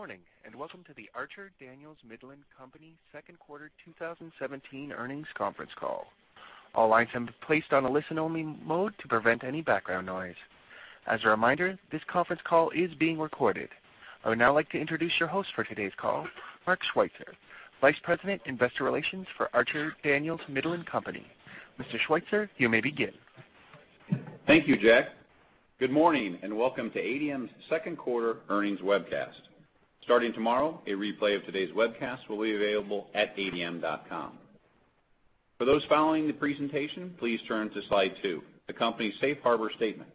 Good morning, and welcome to the Archer Daniels Midland Company second quarter 2017 earnings conference call. All lines have been placed on a listen-only mode to prevent any background noise. As a reminder, this conference call is being recorded. I would now like to introduce your host for today's call, Mark Schweitzer, Vice President, Investor Relations for Archer Daniels Midland Company. Mr. Schweitzer, you may begin. Thank you, Jack. Good morning, and welcome to ADM's second quarter earnings webcast. Starting tomorrow, a replay of today's webcast will be available at adm.com. For those following the presentation, please turn to Slide two, the company's safe harbor statement,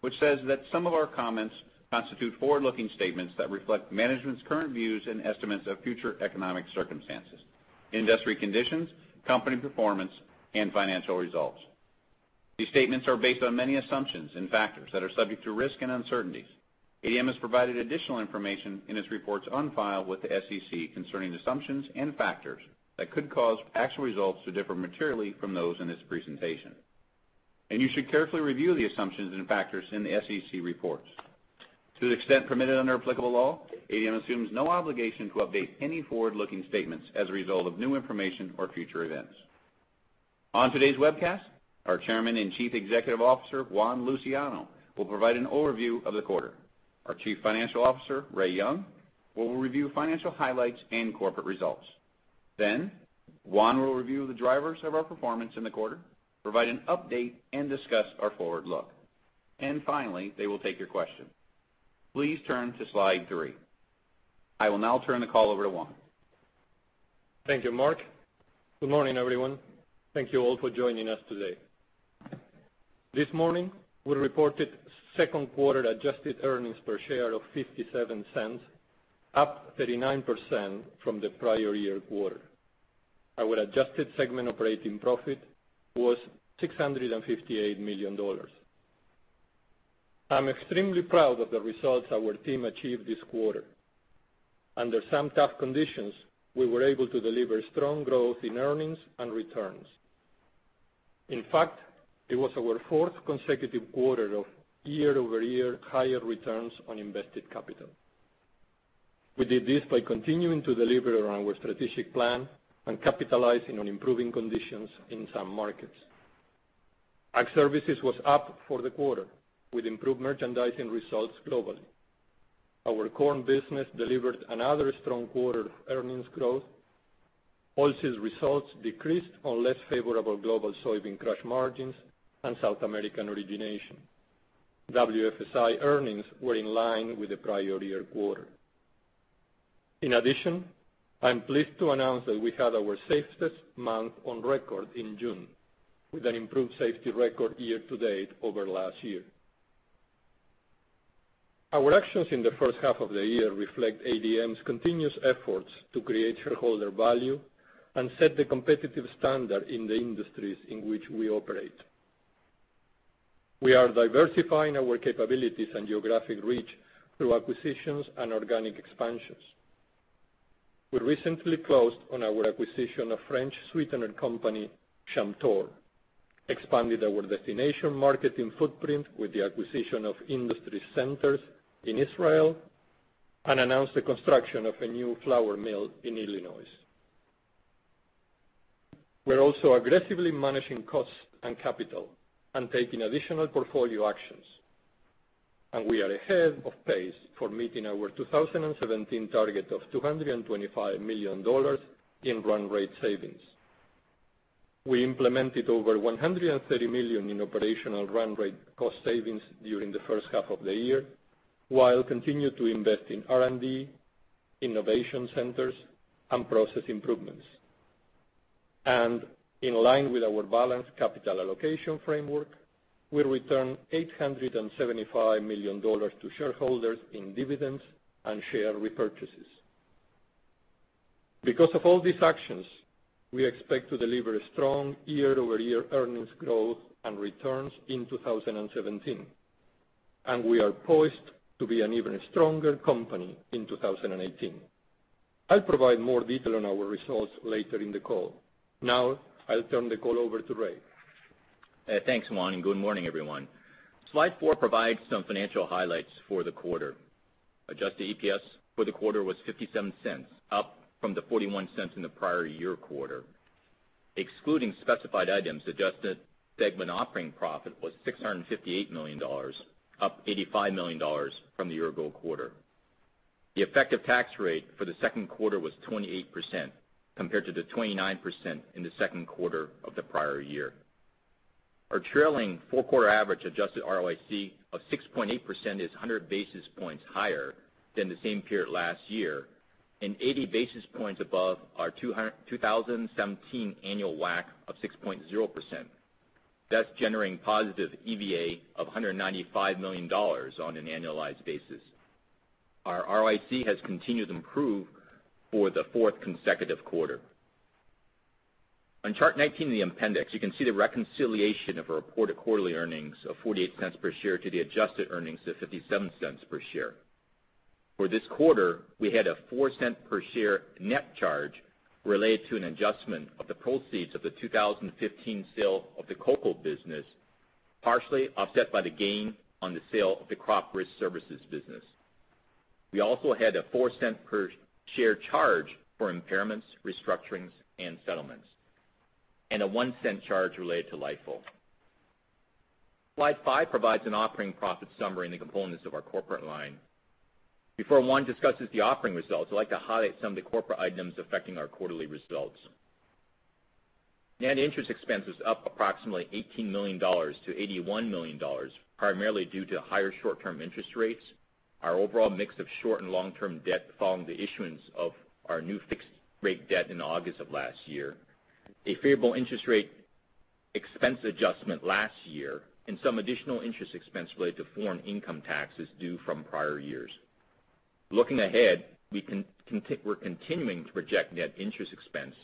which says that some of our comments constitute forward-looking statements that reflect management's current views and estimates of future economic circumstances, industry conditions, company performance, and financial results. These statements are based on many assumptions and factors that are subject to risk and uncertainties. ADM has provided additional information in its reports on file with the SEC concerning assumptions and factors that could cause actual results to differ materially from those in this presentation, you should carefully review the assumptions and factors in the SEC reports. To the extent permitted under applicable law, ADM assumes no obligation to update any forward-looking statements as a result of new information or future events. On today's webcast, our Chairman and Chief Executive Officer, Juan Luciano, will provide an overview of the quarter. Our Chief Financial Officer, Ray Young, will review financial highlights and corporate results. Juan will review the drivers of our performance in the quarter, provide an update, and discuss our forward look. Finally, they will take your questions. Please turn to Slide three. I will now turn the call over to Juan. Thank you, Mark. Good morning, everyone. Thank you all for joining us today. This morning, we reported second quarter adjusted earnings per share of $0.57, up 39% from the prior year quarter. Our adjusted segment operating profit was $658 million. I'm extremely proud of the results our team achieved this quarter. Under some tough conditions, we were able to deliver strong growth in earnings and returns. In fact, it was our fourth consecutive quarter of year-over-year higher returns on invested capital. We did this by continuing to deliver on our strategic plan and capitalizing on improving conditions in some markets. Ag Services was up for the quarter, with improved merchandising results globally. Our corn business delivered another strong quarter of earnings growth. Oils' results decreased on less favorable global soybean crush margins and South American origination. WFSI earnings were in line with the prior year quarter. In addition, I'm pleased to announce that we had our safest month on record in June, with an improved safety record year-to-date over last year. Our actions in the first half of the year reflect ADM's continuous efforts to create shareholder value and set the competitive standard in the industries in which we operate. We are diversifying our capabilities and geographic reach through acquisitions and organic expansions. We recently closed on our acquisition of French sweetener company, Chamtor, expanded our destination marketing footprint with the acquisition of Industries Centers in Israel, and announced the construction of a new flour mill in Illinois. We're also aggressively managing costs and capital and taking additional portfolio actions, and we are ahead of pace for meeting our 2017 target of $225 million in run rate savings. We implemented over $130 million in operational run rate cost savings during the first half of the year, while continue to invest in R&D, innovation centers, and process improvements. In line with our balanced capital allocation framework, we returned $875 million to shareholders in dividends and share repurchases. Because of all these actions, we expect to deliver strong year-over-year earnings growth and returns in 2017, and we are poised to be an even stronger company in 2018. I'll provide more detail on our results later in the call. Now, I'll turn the call over to Ray. Thanks, Juan, and good morning, everyone. Slide four provides some financial highlights for the quarter. Adjusted EPS for the quarter was $0.57, up from the $0.41 in the prior year quarter. Excluding specified items, adjusted segment operating profit was $658 million, up $85 million from the year-ago quarter. The effective tax rate for the second quarter was 28%, compared to the 29% in the second quarter of the prior year. Our trailing four-quarter average adjusted ROIC of 6.8% is 100 basis points higher than the same period last year and 80 basis points above our 2017 annual WACC of 6.0%. That's generating positive EVA of $195 million on an annualized basis. Our ROIC has continued to improve for the fourth consecutive quarter. On Chart 19 in the appendix, you can see the reconciliation of our reported quarterly earnings of $0.48 per share to the adjusted earnings of $0.57 per share. For this quarter, we had a $0.04 per share net charge related to an adjustment of the proceeds of the 2015 sale of the cocoa business Partially offset by the gain on the sale of the crop risk services business. We also had a $0.04 per share charge for impairments, restructurings, and settlements, and a $0.01 charge related to LIFO. Slide five provides an operating profit summary and the components of our corporate line. Before Juan discusses the operating results, I'd like to highlight some of the corporate items affecting our quarterly results. Net interest expense was up approximately $18 million to $81 million, primarily due to higher short-term interest rates, our overall mix of short and long-term debt following the issuance of our new fixed rate debt in August of last year, a favorable interest rate expense adjustment last year, and some additional interest expense related to foreign income taxes due from prior years. Looking ahead, we're continuing to project net interest expense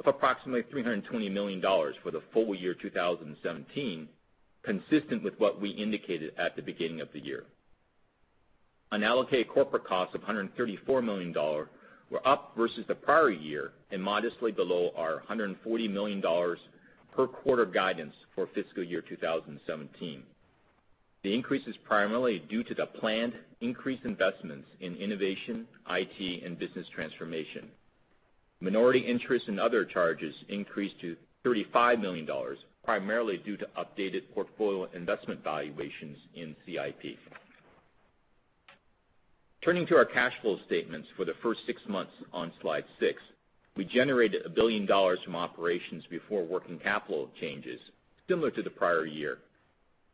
of approximately $320 million for the full year 2017, consistent with what we indicated at the beginning of the year. Unallocated corporate costs of $134 million were up versus the prior year, and modestly below our $140 million per quarter guidance for fiscal year 2017. The increase is primarily due to the planned increase investments in innovation, IT, and business transformation. Minority interest and other charges increased to $35 million, primarily due to updated portfolio investment valuations in [CIP]. Turning to our cash flow statements for the first six months on Slide six. We generated $1 billion from operations before working capital changes, similar to the prior year.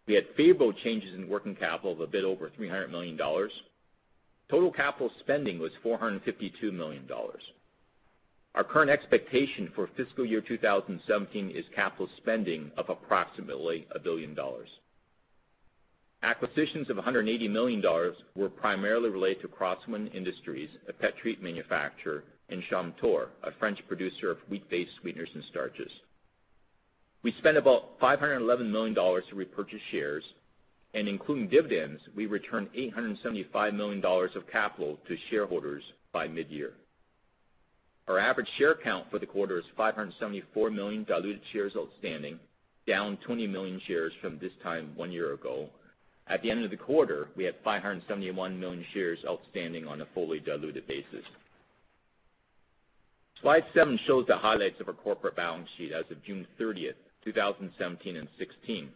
We had favorable changes in working capital of a bit over $300 million. Total capital spending was $452 million. Our current expectation for fiscal year 2017 is capital spending of approximately $1 billion. Acquisitions of $180 million were primarily related to Crosswind Industries, a pet treat manufacturer, and Chamtor, a French producer of wheat-based sweeteners and starches. We spent about $511 million to repurchase shares, and including dividends, we returned $875 million of capital to shareholders by mid-year. Our average share count for the quarter is 574 million diluted shares outstanding, down 20 million shares from this time one year ago. At the end of the quarter, we had 571 million shares outstanding on a fully diluted basis. Slide seven shows the highlights of our corporate balance sheet as of June 30th, 2017 and 2016.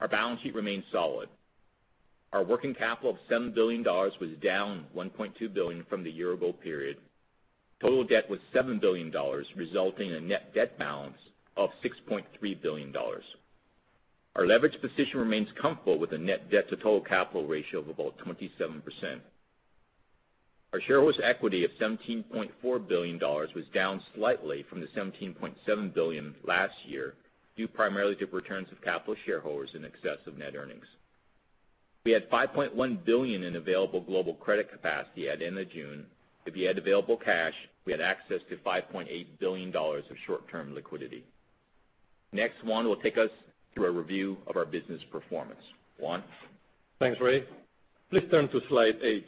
Our balance sheet remains solid. Our working capital of $7 billion was down $1.2 billion from the year ago period. Total debt was $7 billion, resulting in a net debt balance of $6.3 billion. Our leverage position remains comfortable with a net debt to total capital ratio of about 27%. Our shareholders' equity of $17.4 billion was down slightly from the $17.7 billion last year, due primarily to returns of capital shareholders in excess of net earnings. We had $5.1 billion in available global credit capacity at the end of June. If you add available cash, we had access to $5.8 billion of short-term liquidity. Next, Juan will take us through a review of our business performance. Juan? Thanks, Ray. Please turn to slide eight.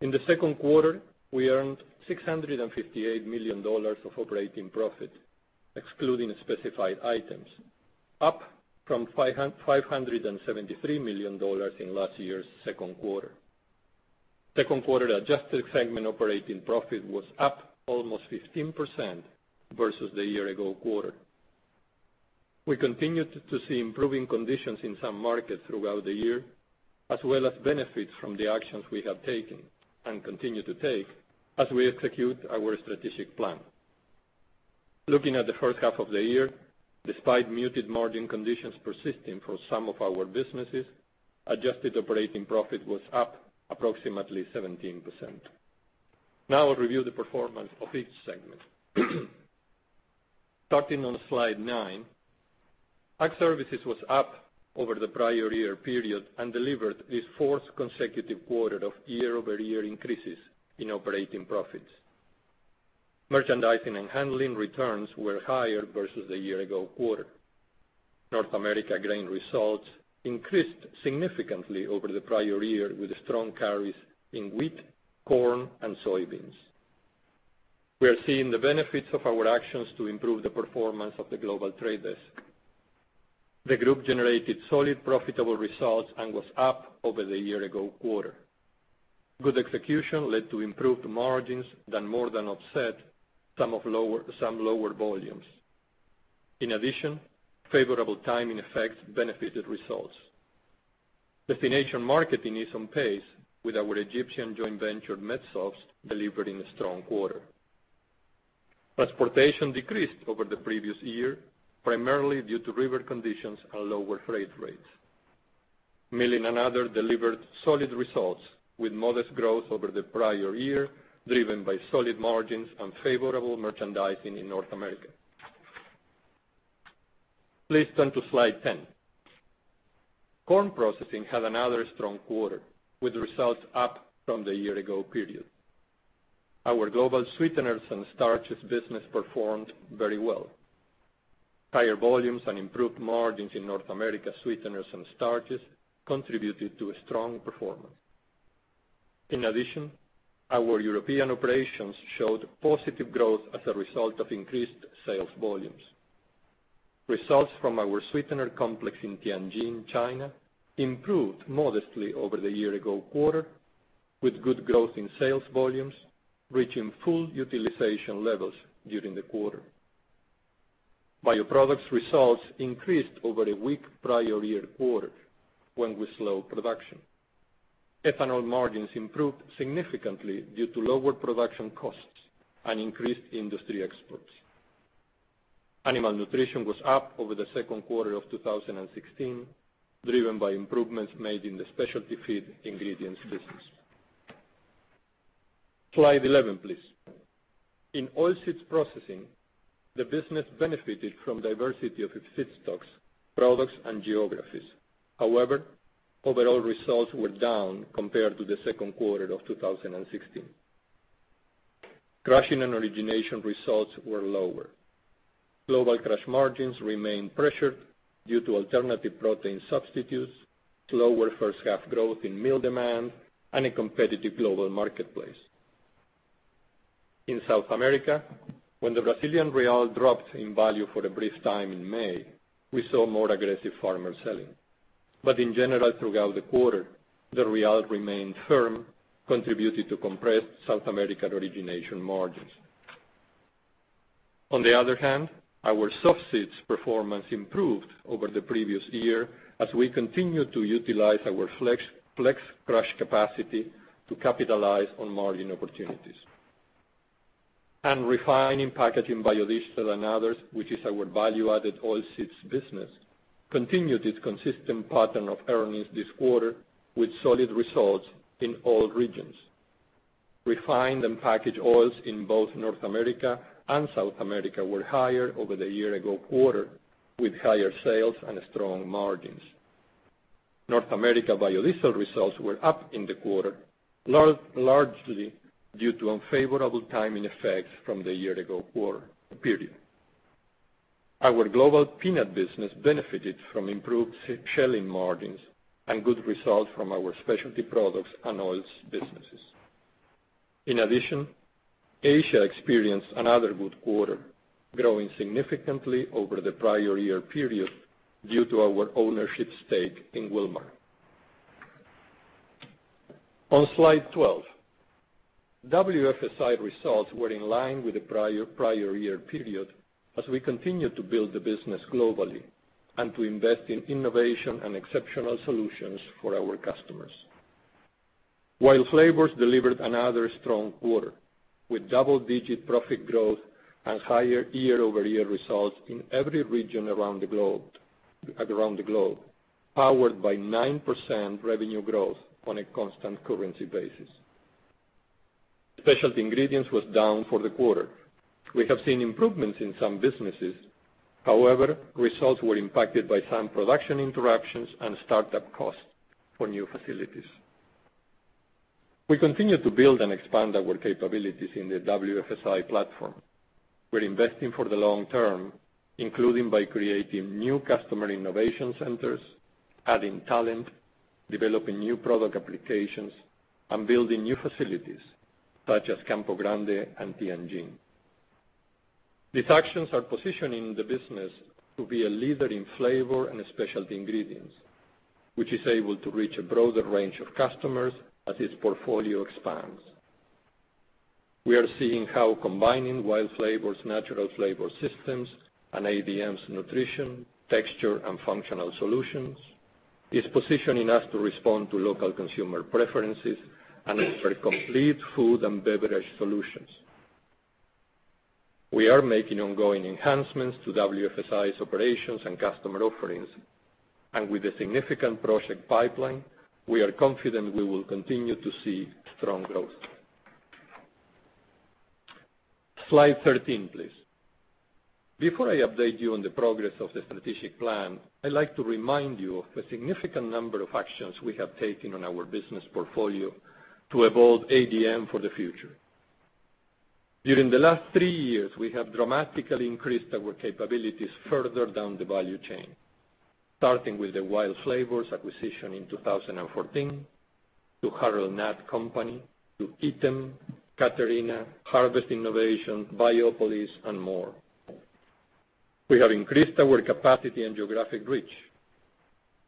In the second quarter, we earned $658 million of operating profit, excluding specified items, up from $573 million in last year's second quarter. Second quarter adjusted segment operating profit was up almost 15% versus the year-ago quarter. We continued to see improving conditions in some markets throughout the year, as well as benefits from the actions we have taken and continue to take as we execute our strategic plan. Looking at the first half of the year, despite muted margin conditions persisting for some of our businesses, adjusted operating profit was up approximately 17%. Now I'll review the performance of each segment. Starting on slide nine, Ag Services was up over the prior year period and delivered its fourth consecutive quarter of year-over-year increases in operating profits. Merchandising and handling returns were higher versus the year-ago quarter. North America Grain results increased significantly over the prior year with strong carries in wheat, corn, and soybeans. We are seeing the benefits of our actions to improve the performance of the global trade desk. The group generated solid, profitable results and was up over the year-ago quarter. Good execution led to improved margins that more than offset some lower volumes. In addition, favorable timing effects benefited results. Destination marketing is on pace with our Egyptian joint venture, Medsofts, delivering a strong quarter. Transportation decreased over the previous year, primarily due to river conditions and lower freight rates. Milling and Other delivered solid results with modest growth over the prior year, driven by solid margins and favorable merchandising in North America. Please turn to slide 10. Corn Processing had another strong quarter, with results up from the year-ago period. Our global sweeteners and starches business performed very well. Higher volumes and improved margins in North America sweeteners and starches contributed to a strong performance. In addition, our European operations showed positive growth as a result of increased sales volumes. Results from our sweetener complex in Tianjin, China, improved modestly over the year-ago quarter, with good growth in sales volumes reaching full utilization levels during the quarter. Bioproducts results increased over a weak prior year quarter when we slowed production. Ethanol margins improved significantly due to lower production costs and increased industry exports. Animal nutrition was up over the second quarter of 2016, driven by improvements made in the specialty feed ingredients business. Slide 11, please. In Oilseeds Processing, the business benefited from diversity of its feedstocks, products, and geographies. However, overall results were down compared to the second quarter of 2016. Crushing and origination results were lower. Global crush margins remained pressured due to alternative protein substitutes, slower first half growth in meal demand, and a competitive global marketplace. In South America, when the Brazilian real dropped in value for a brief time in May, we saw more aggressive farmer selling. In general, throughout the quarter, the real remained firm, contributing to compressed South American origination margins. On the other hand, our softseeds performance improved over the previous year as we continued to utilize our flex crush capacity to capitalize on margin opportunities. Refining, packaging, biodiesel, and others, which is our value-added oilseeds business, continued its consistent pattern of earnings this quarter with solid results in all regions. Refined and packaged oils in both North America and South America were higher over the year-ago quarter, with higher sales and strong margins. North America biodiesel results were up in the quarter, largely due to unfavorable timing effects from the year-ago period. Our global peanut business benefited from improved shelling margins and good results from our specialty products and oils businesses. In addition, Asia experienced another good quarter, growing significantly over the prior year period due to our ownership stake in Wilmar. On Slide 12, WFSI results were in line with the prior year period as we continued to build the business globally and to invest in innovation and exceptional solutions for our customers. WILD Flavors delivered another strong quarter, with double-digit profit growth and higher year-over-year results in every region around the globe, powered by 9% revenue growth on a constant currency basis. Specialty Ingredients was down for the quarter. We have seen improvements in some businesses, however, results were impacted by some production interruptions and startup costs for new facilities. We continue to build and expand our capabilities in the WFSI platform. We are investing for the long term, including by creating new customer innovation centers, adding talent, developing new product applications, and building new facilities such as Campo Grande and Tianjin. These actions are positioning the business to be a leader in flavor and specialty ingredients, which is able to reach a broader range of customers as its portfolio expands. We are seeing how combining WILD Flavors' natural flavor systems and ADM's nutrition, texture, and functional solutions is positioning us to respond to local consumer preferences and offer complete food and beverage solutions. We are making ongoing enhancements to WFSI's operations and customer offerings, and with a significant project pipeline, we are confident we will continue to see strong growth. Slide 13, please. Before I update you on the progress of the strategic plan, I would like to remind you of the significant number of actions we have taken on our business portfolio to evolve ADM for the future. During the last three years, we have dramatically increased our capabilities further down the value chain, starting with the WILD Flavors acquisition in 2014, to [Harold Natt Company], to Eatem, Caterina, Harvest Innovations, Biopolis, and more. We have increased our capacity and geographic reach.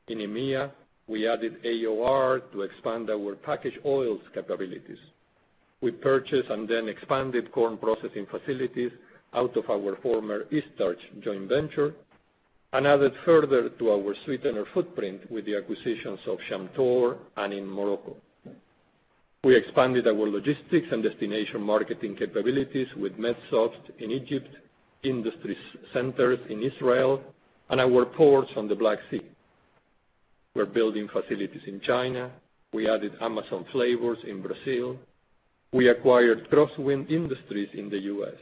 In EMEA, we added AOR to expand our packaged oils capabilities. We purchased and then expanded corn processing facilities out of our former Eaststarch joint venture and added further to our sweetener footprint with the acquisitions of Chamtor and in Morocco. We expanded our logistics and destination marketing capabilities with Medsofts in Egypt, Industries Centers in Israel, and our ports on the Black Sea. We are building facilities in China. We added Amazon Flavors in Brazil. We acquired Crosswind Industries in the U.S.,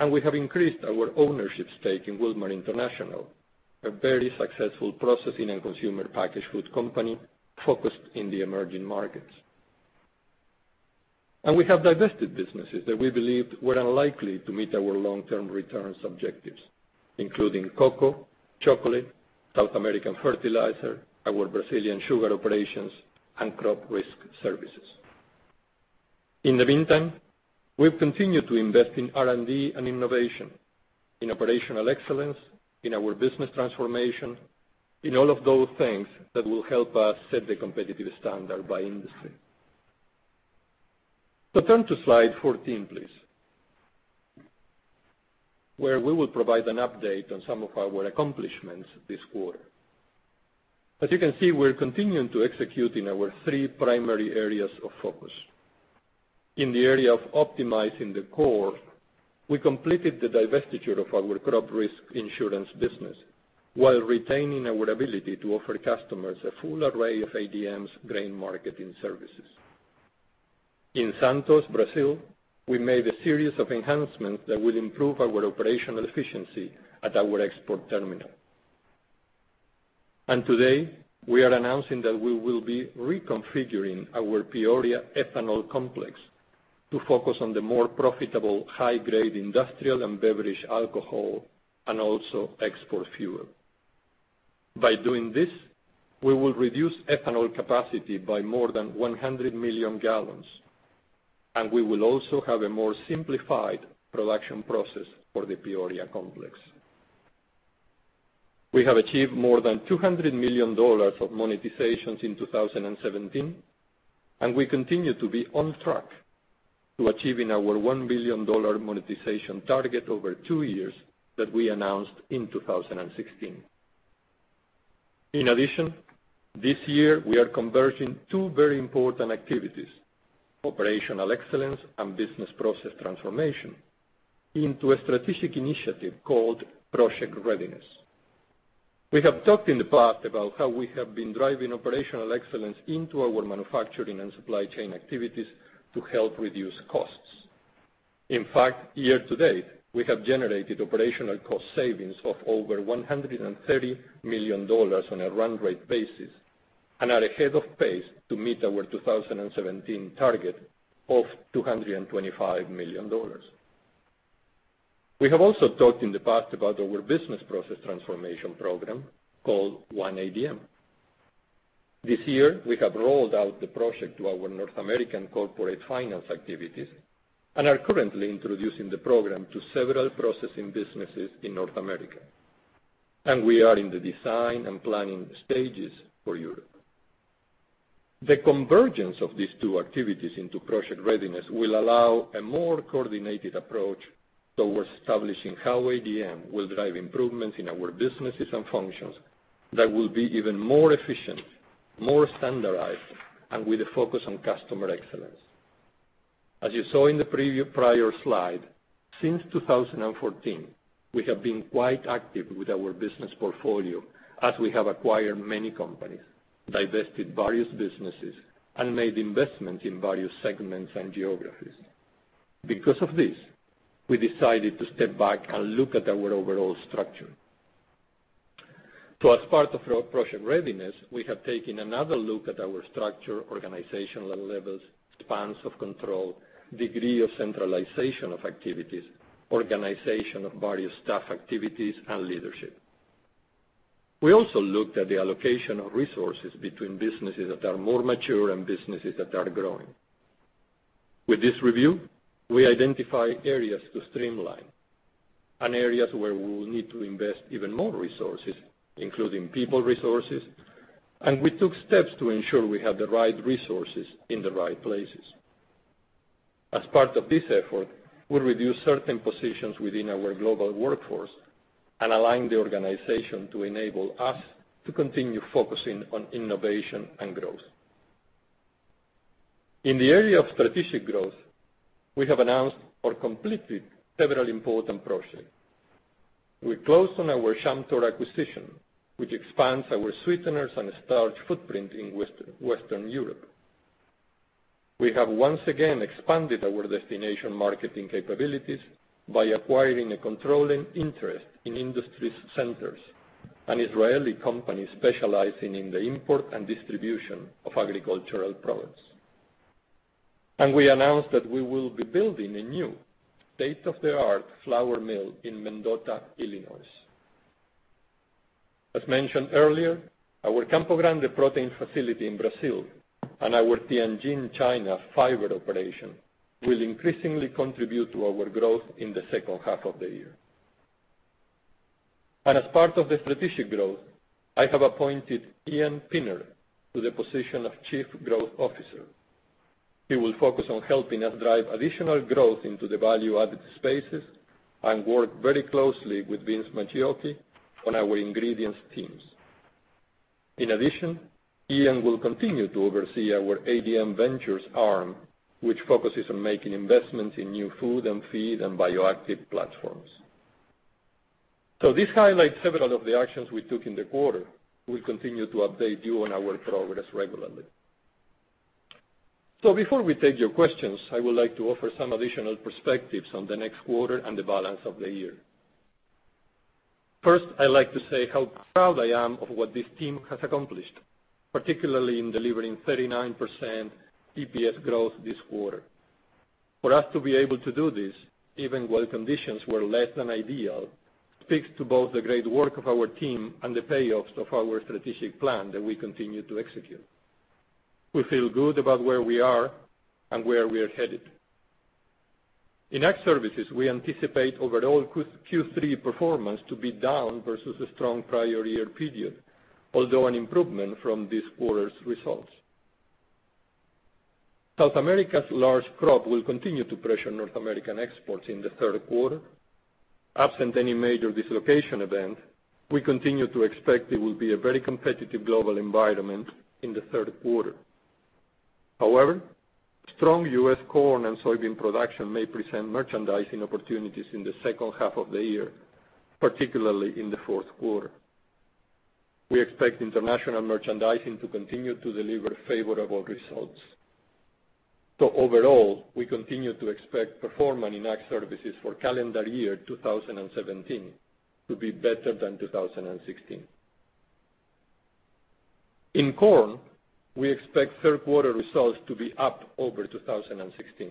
and we have increased our ownership stake in Wilmar International, a very successful processing and consumer packaged food company focused in the emerging markets. We have divested businesses that we believed were unlikely to meet our long-term returns objectives, including cocoa, chocolate, South American fertilizer, our Brazilian sugar operations, and crop risk services. In the meantime, we have continued to invest in R&D and innovation, in operational excellence, in our business transformation, in all of those things that will help us set the competitive standard by industry. Turn to Slide 14, please. We will provide an update on some of our accomplishments this quarter. As you can see, we are continuing to execute in our three primary areas of focus. In the area of optimizing the core, we completed the divestiture of our crop risk insurance business while retaining our ability to offer customers a full array of ADM's grain marketing services. In Santos, Brazil, we made a series of enhancements that will improve our operational efficiency at our export terminal. Today, we are announcing that we will be reconfiguring our Peoria ethanol complex to focus on the more profitable high-grade industrial and beverage alcohol, and also export fuel. By doing this, we will reduce ethanol capacity by more than 100 million gallons, and we will also have a more simplified production process for the Peoria complex. We have achieved more than $200 million of monetizations in 2017, and we continue to be on track to achieving our $1 billion monetization target over two years that we announced in 2016. In addition, this year we are converging two very important activities, operational excellence and business process transformation, into a strategic initiative called Project Readiness. We have talked in the past about how we have been driving operational excellence into our manufacturing and supply chain activities to help reduce costs. In fact, year-to-date, we have generated operational cost savings of over $130 million on a run rate basis and are ahead of pace to meet our 2017 target of $225 million. We have also talked in the past about our business process transformation program called One ADM. This year, we have rolled out the project to our North American corporate finance activities and are currently introducing the program to several processing businesses in North America. We are in the design and planning stages for Europe. The convergence of these two activities into Project Readiness will allow a more coordinated approach towards establishing how ADM will drive improvements in our businesses and functions that will be even more efficient, more standardized, and with a focus on customer excellence. As you saw in the preview prior slide, since 2014, we have been quite active with our business portfolio as we have acquired many companies, divested various businesses, and made investments in various segments and geographies. Of this, we decided to step back and look at our overall structure. As part of Project Readiness, we have taken another look at our structure, organizational levels, spans of control, degree of centralization of activities, organization of various staff activities, and leadership. We also looked at the allocation of resources between businesses that are more mature and businesses that are growing. With this review, we identify areas to streamline and areas where we will need to invest even more resources, including people resources, and we took steps to ensure we have the right resources in the right places. As part of this effort, we'll reduce certain positions within our global workforce and align the organization to enable us to continue focusing on innovation and growth. In the area of strategic growth, we have announced or completed several important projects. We closed on our Chamtor acquisition, which expands our sweeteners and starch footprint in Western Europe. We have once again expanded our destination marketing capabilities by acquiring a controlling interest in Industries Centers, an Israeli company specializing in the import and distribution of agricultural products. We announced that we will be building a new state-of-the-art flour mill in Mendota, Illinois. As mentioned earlier, our Campo Grande protein facility in Brazil and our Tianjin, China, fiber operation will increasingly contribute to our growth in the second half of the year. As part of the strategic growth, I have appointed Ian Pinner to the position of chief growth officer. He will focus on helping us drive additional growth into the value-added spaces and work very closely with Vince Macchiocchi on our ingredients teams. In addition, Ian will continue to oversee our ADM Ventures arm, which focuses on making investments in new food and feed and bioactive platforms. This highlights several of the actions we took in the quarter. We will continue to update you on our progress regularly. Before we take your questions, I would like to offer some additional perspectives on the next quarter and the balance of the year. First, I would like to say how proud I am of what this team has accomplished, particularly in delivering 39% EPS growth this quarter. For us to be able to do this, even while conditions were less than ideal, speaks to both the great work of our team and the payoffs of our strategic plan that we continue to execute. We feel good about where we are and where we are headed. In Ag Services, we anticipate overall Q3 performance to be down versus a strong prior year period, although an improvement from this quarter's results. South America's large crop will continue to pressure North American exports in the third quarter. Absent any major dislocation event, we continue to expect it will be a very competitive global environment in the third quarter. Strong U.S. corn and soybean production may present merchandising opportunities in the second half of the year, particularly in the fourth quarter. We expect international merchandising to continue to deliver favorable results. Overall, we continue to expect performance in Ag Services for calendar year 2017 to be better than 2016. In corn, we expect third quarter results to be up over 2016.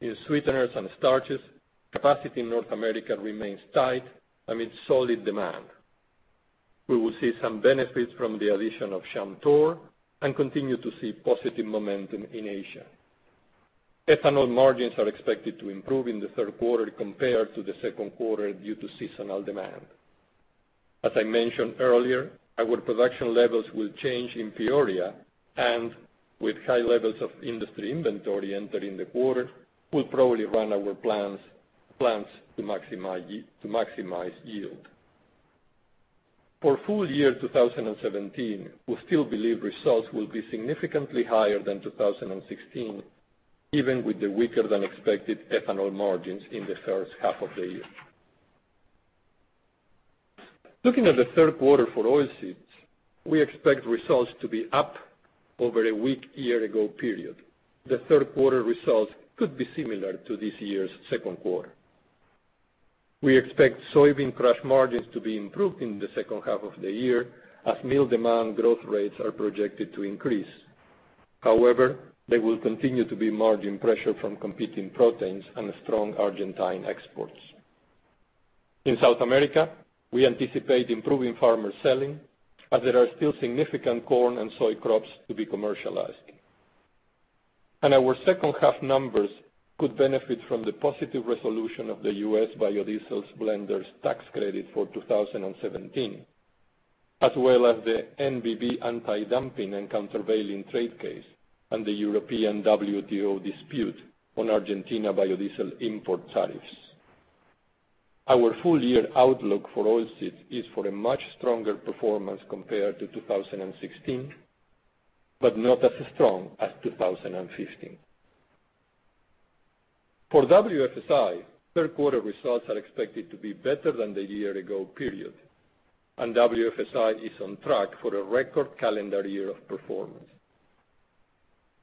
In sweeteners and starches, capacity in North America remains tight amid solid demand. We will see some benefits from the addition of Chamtor and continue to see positive momentum in Asia. Ethanol margins are expected to improve in the third quarter compared to the second quarter due to seasonal demand. As I mentioned earlier, our production levels will change in Peoria, and with high levels of industry inventory entering the quarter, we'll probably run our plants to maximize yield. For full year 2017, we still believe results will be significantly higher than 2016, even with the weaker than expected ethanol margins in the first half of the year. Looking at the third quarter for oilseeds, we expect results to be up over a weak year ago period. The third quarter results could be similar to this year's second quarter. We expect soybean crush margins to be improved in the second half of the year as mill demand growth rates are projected to increase. There will continue to be margin pressure from competing proteins and strong Argentine exports. In South America, we anticipate improving farmer selling as there are still significant corn and soy crops to be commercialized. Our second half numbers could benefit from the positive resolution of the U.S. biodiesel blenders tax credit for 2017, as well as the NBB anti-dumping and countervailing trade case and the European WTO dispute on Argentina biodiesel import tariffs. Our full year outlook for oilseeds is for a much stronger performance compared to 2016, but not as strong as 2015. For WFSI, third quarter results are expected to be better than the year ago period, and WFSI is on track for a record calendar year of performance.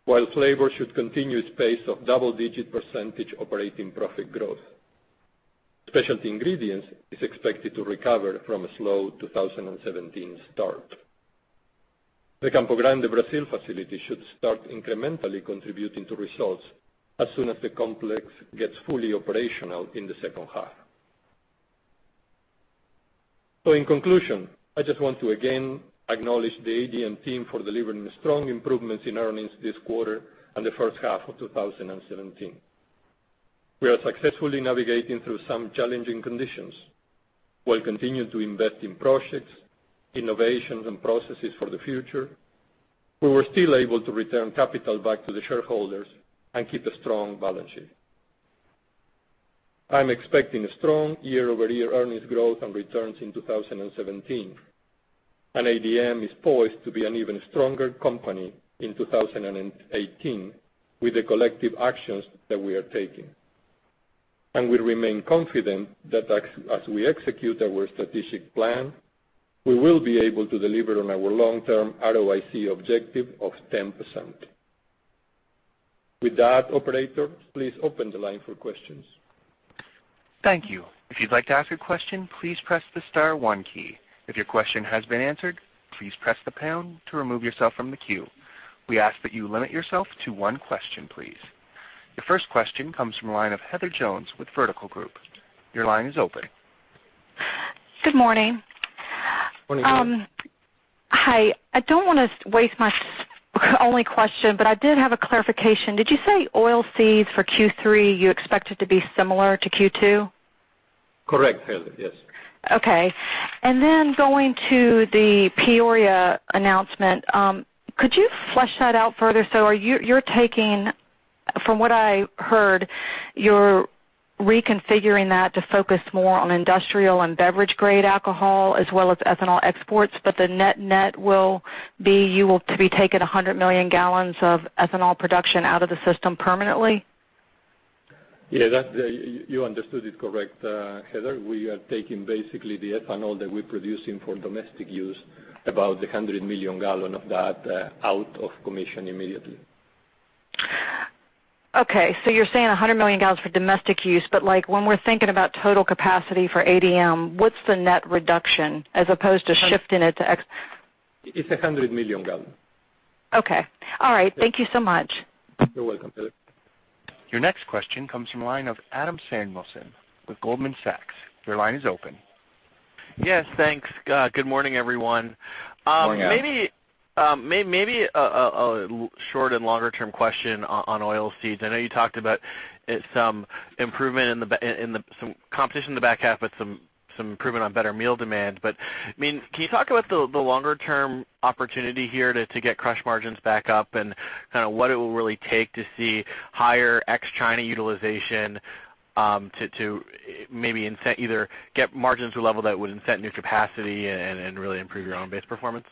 While Flavor should continue its pace of double-digit % operating profit growth, Specialty Ingredients is expected to recover from a slow 2017 start. The Campo Grande Brazil facility should start incrementally contributing to results as soon as the complex gets fully operational in the second half. In conclusion, I just want to again acknowledge the ADM team for delivering strong improvements in earnings this quarter and the first half of 2017. We are successfully navigating through some challenging conditions while continuing to invest in projects, innovations, and processes for the future. We were still able to return capital back to the shareholders and keep a strong balance sheet. I'm expecting strong year-over-year earnings growth and returns in 2017, ADM is poised to be an even stronger company in 2018 with the collective actions that we are taking. We remain confident that as we execute our strategic plan, we will be able to deliver on our long-term ROIC objective of 10%. With that, operator, please open the line for questions. Thank you. If you'd like to ask a question, please press the star one key. If your question has been answered, please press the pound to remove yourself from the queue. We ask that you limit yourself to one question, please. Your first question comes from the line of Heather Jones with Vertical Group. Your line is open. Good morning. Morning, Heather. Hi. I don't want to waste my only question, I did have a clarification. Did you say oilseeds for Q3, you expect it to be similar to Q2? Correct, Heather. Yes. Okay. Going to the Peoria announcement. Could you flesh that out further? From what I heard, you're reconfiguring that to focus more on industrial and beverage-grade alcohol as well as ethanol exports, the net will be you will be taking 100 million gallons of ethanol production out of the system permanently? Yeah, you understood it correct, Heather. We are taking basically the ethanol that we're producing for domestic use, about 100 million gallons of that out of commission immediately. Okay. You're saying 100 million gallons for domestic use, when we're thinking about total capacity for ADM, what's the net reduction as opposed to shifting it to ex- It's 100 million gallon. Okay. All right. Thank you so much. You're welcome. Your next question comes from line of Adam Samuelson with Goldman Sachs. Your line is open. Yes, thanks. Good morning, everyone. Morning, Adam. Maybe a short and longer term question on oil seeds. I know you talked about some competition in the back half, but some improvement on better meal demand. Can you talk about the longer term opportunity here to get crush margins back up and kind of what it will really take to see higher ex-China utilization, to maybe either get margins to a level that would incent new capacity and really improve your own base performance?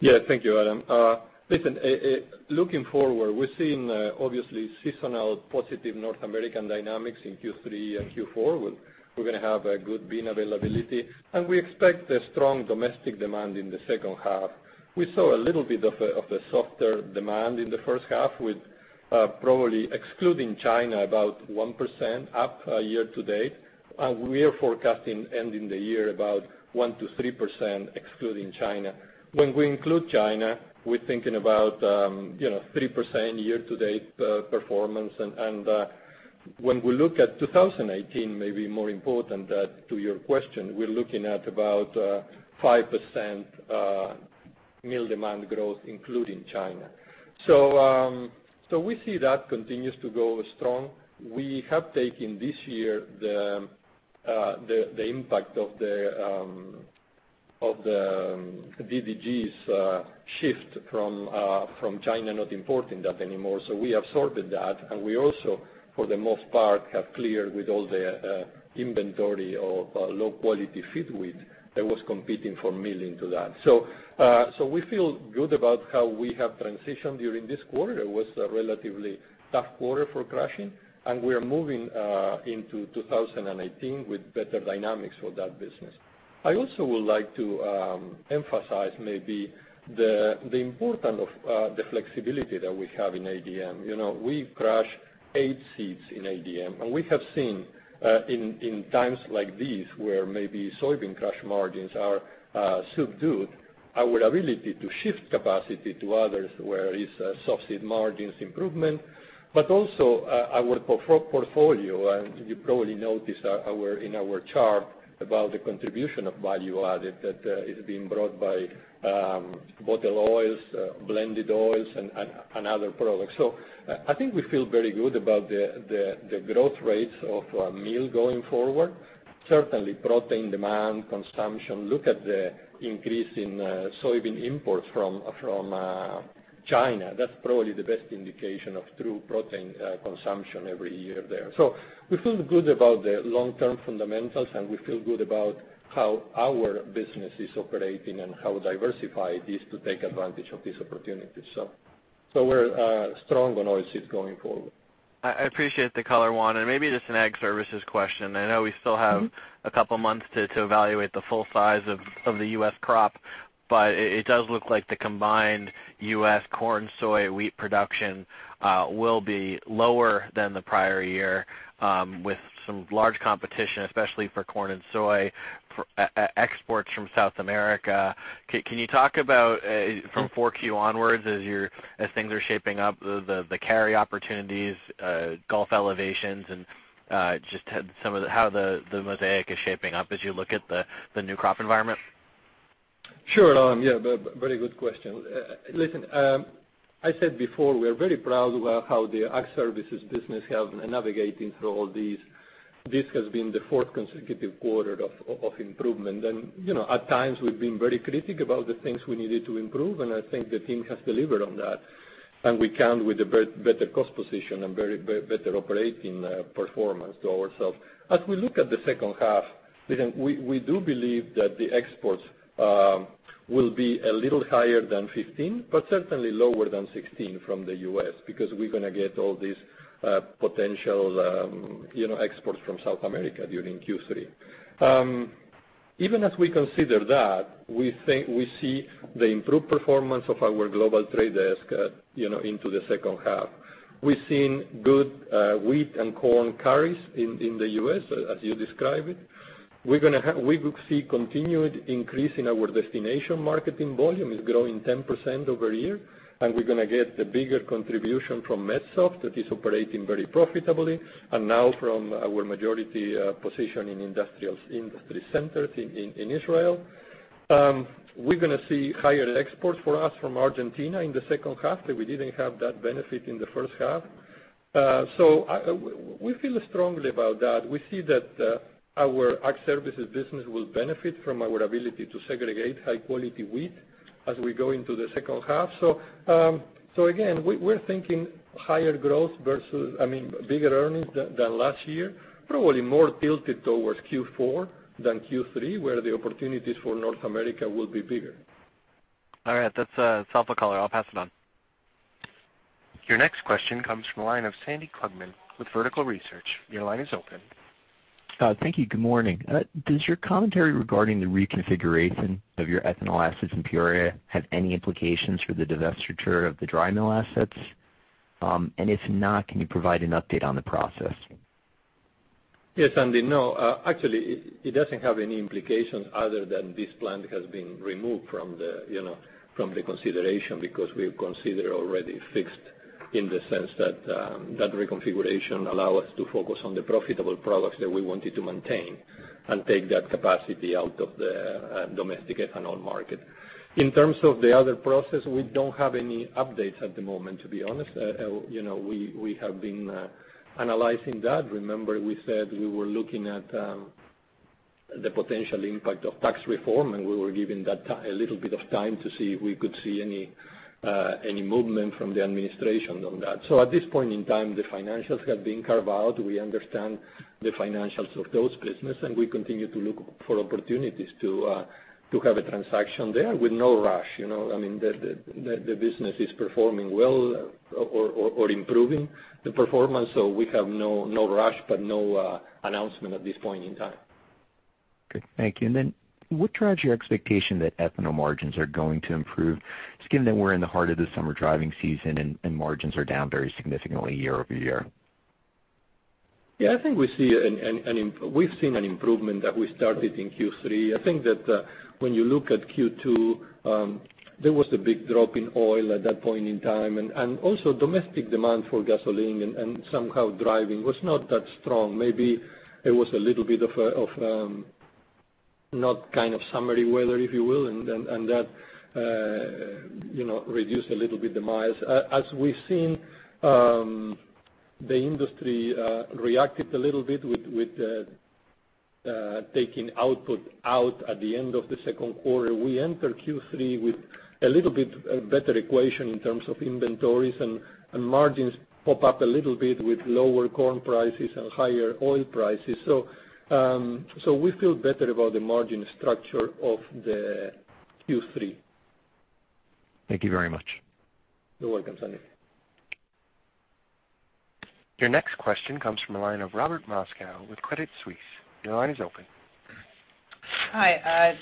Yeah. Thank you, Adam. Listen, looking forward, we're seeing, obviously, seasonal positive North American dynamics in Q3 and Q4. We're going to have a good bean availability, and we expect a strong domestic demand in the second half. We saw a little bit of a softer demand in the first half with probably excluding China, about 1% up year-to-date. We are forecasting ending the year about 1%-3% excluding China. When we include China, we're thinking about 3% year-to-date performance. When we look at 2018, maybe more important to your question, we're looking at about 5% meal demand growth, including China. We see that continues to go strong. We have taken this year the impact of the DDGs shift from China not importing that anymore. We absorbed that, and we also, for the most part, have cleared with all the inventory of low-quality feed wheat that was competing for milling to that. We feel good about how we have transitioned during this quarter. It was a relatively tough quarter for crushing, and we are moving into 2018 with better dynamics for that business. I also would like to emphasize maybe the importance of the flexibility that we have in ADM. We crush eight seeds in ADM, and we have seen, in times like these, where maybe soybean crush margins are subdued, our ability to shift capacity to others where it's a soft seed margins improvement, but also our portfolio. You probably notice in our chart about the contribution of value added that is being brought by bottle oils, blended oils, and other products. I think we feel very good about the growth rates of meal going forward. Certainly protein demand, consumption. Look at the increase in soybean imports from China. That's probably the best indication of true protein consumption every year there. We feel good about the long-term fundamentals, and we feel good about how our business is operating and how diversified it is to take advantage of these opportunities. We're strong on oil seeds going forward. I appreciate the color, Juan, and maybe just an Ag Services question. I know we still have a couple of months to evaluate the full size of the U.S. crop, but it does look like the combined U.S. corn, soy, wheat production will be lower than the prior year, with some large competition, especially for corn and soy, exports from South America. Can you talk about from 4Q onwards as things are shaping up, the carry opportunities, Gulf elevations, and just how the mosaic is shaping up as you look at the new crop environment? Sure, Adam. Yeah, very good question. Listen, I said before, we are very proud about how the Ag Services business have been navigating through all this. This has been the fourth consecutive quarter of improvement. At times, we've been very critical about the things we needed to improve, and I think the team has delivered on that. We count with a better cost position and better operating performance to ourselves. As we look at the second half, we do believe that the exports will be a little higher than 2015, but certainly lower than 2016 from the U.S., because we're going to get all these potential exports from South America during Q3. Even as we consider that, we see the improved performance of our global trade desk into the second half. We've seen good wheat and corn carries in the U.S., as you describe it. We could see continued increase in our destination marketing volume. It's growing 10% year-over-year, and we're going to get the bigger contribution from Medsofts that is operating very profitably, and now from our majority position in Industries Centers in Israel. We're going to see higher exports for us from Argentina in the second half, that we didn't have that benefit in the first half. We feel strongly about that. We see that our Ag Services business will benefit from our ability to segregate high-quality wheat as we go into the second half. Again, we're thinking bigger earnings than last year, probably more tilted towards Q4 than Q3, where the opportunities for North America will be bigger. All right. That's the last call. I'll pass it on. Your next question comes from the line of Sandy Klugman with Vertical Research. Your line is open. Thank you. Good morning. Does your commentary regarding the reconfiguration of your ethanol assets in Peoria have any implications for the divestiture of the dry mill assets? If not, can you provide an update on the process? Yes, Sandy. Actually, it doesn't have any implications other than this plant has been removed from the consideration because we consider already fixed in the sense that reconfiguration allow us to focus on the profitable products that we wanted to maintain and take that capacity out of the domestic ethanol market. In terms of the other process, we don't have any updates at the moment, to be honest. We have been analyzing that. Remember we said we were looking at the potential impact of tax reform, and we were given a little bit of time to see if we could see any movement from the administration on that. At this point in time, the financials have been carved out. We understand the financials of those businesses, and we continue to look for opportunities to have a transaction there with no rush. The business is performing well or improving the performance. We have no rush, but no announcement at this point in time. Okay. Thank you. Then what drives your expectation that ethanol margins are going to improve, just given that we're in the heart of the summer driving season and margins are down very significantly year-over-year? Yeah, I think we've seen an improvement that we started in Q3. I think that when you look at Q2, there was a big drop in oil at that point in time, and also domestic demand for gasoline and somehow driving was not that strong. Maybe it was a little bit of not kind of summery weather, if you will, and that reduced a little bit the miles. As we've seen, the industry reacted a little bit with taking output out at the end of the second quarter. We enter Q3 with a little bit better equation in terms of inventories, and margins pop up a little bit with lower corn prices and higher oil prices. We feel better about the margin structure of the Q3. Thank you very much. You're welcome, Sandy. Your next question comes from the line of Robert Moskow with Credit Suisse. Your line is open. Hi.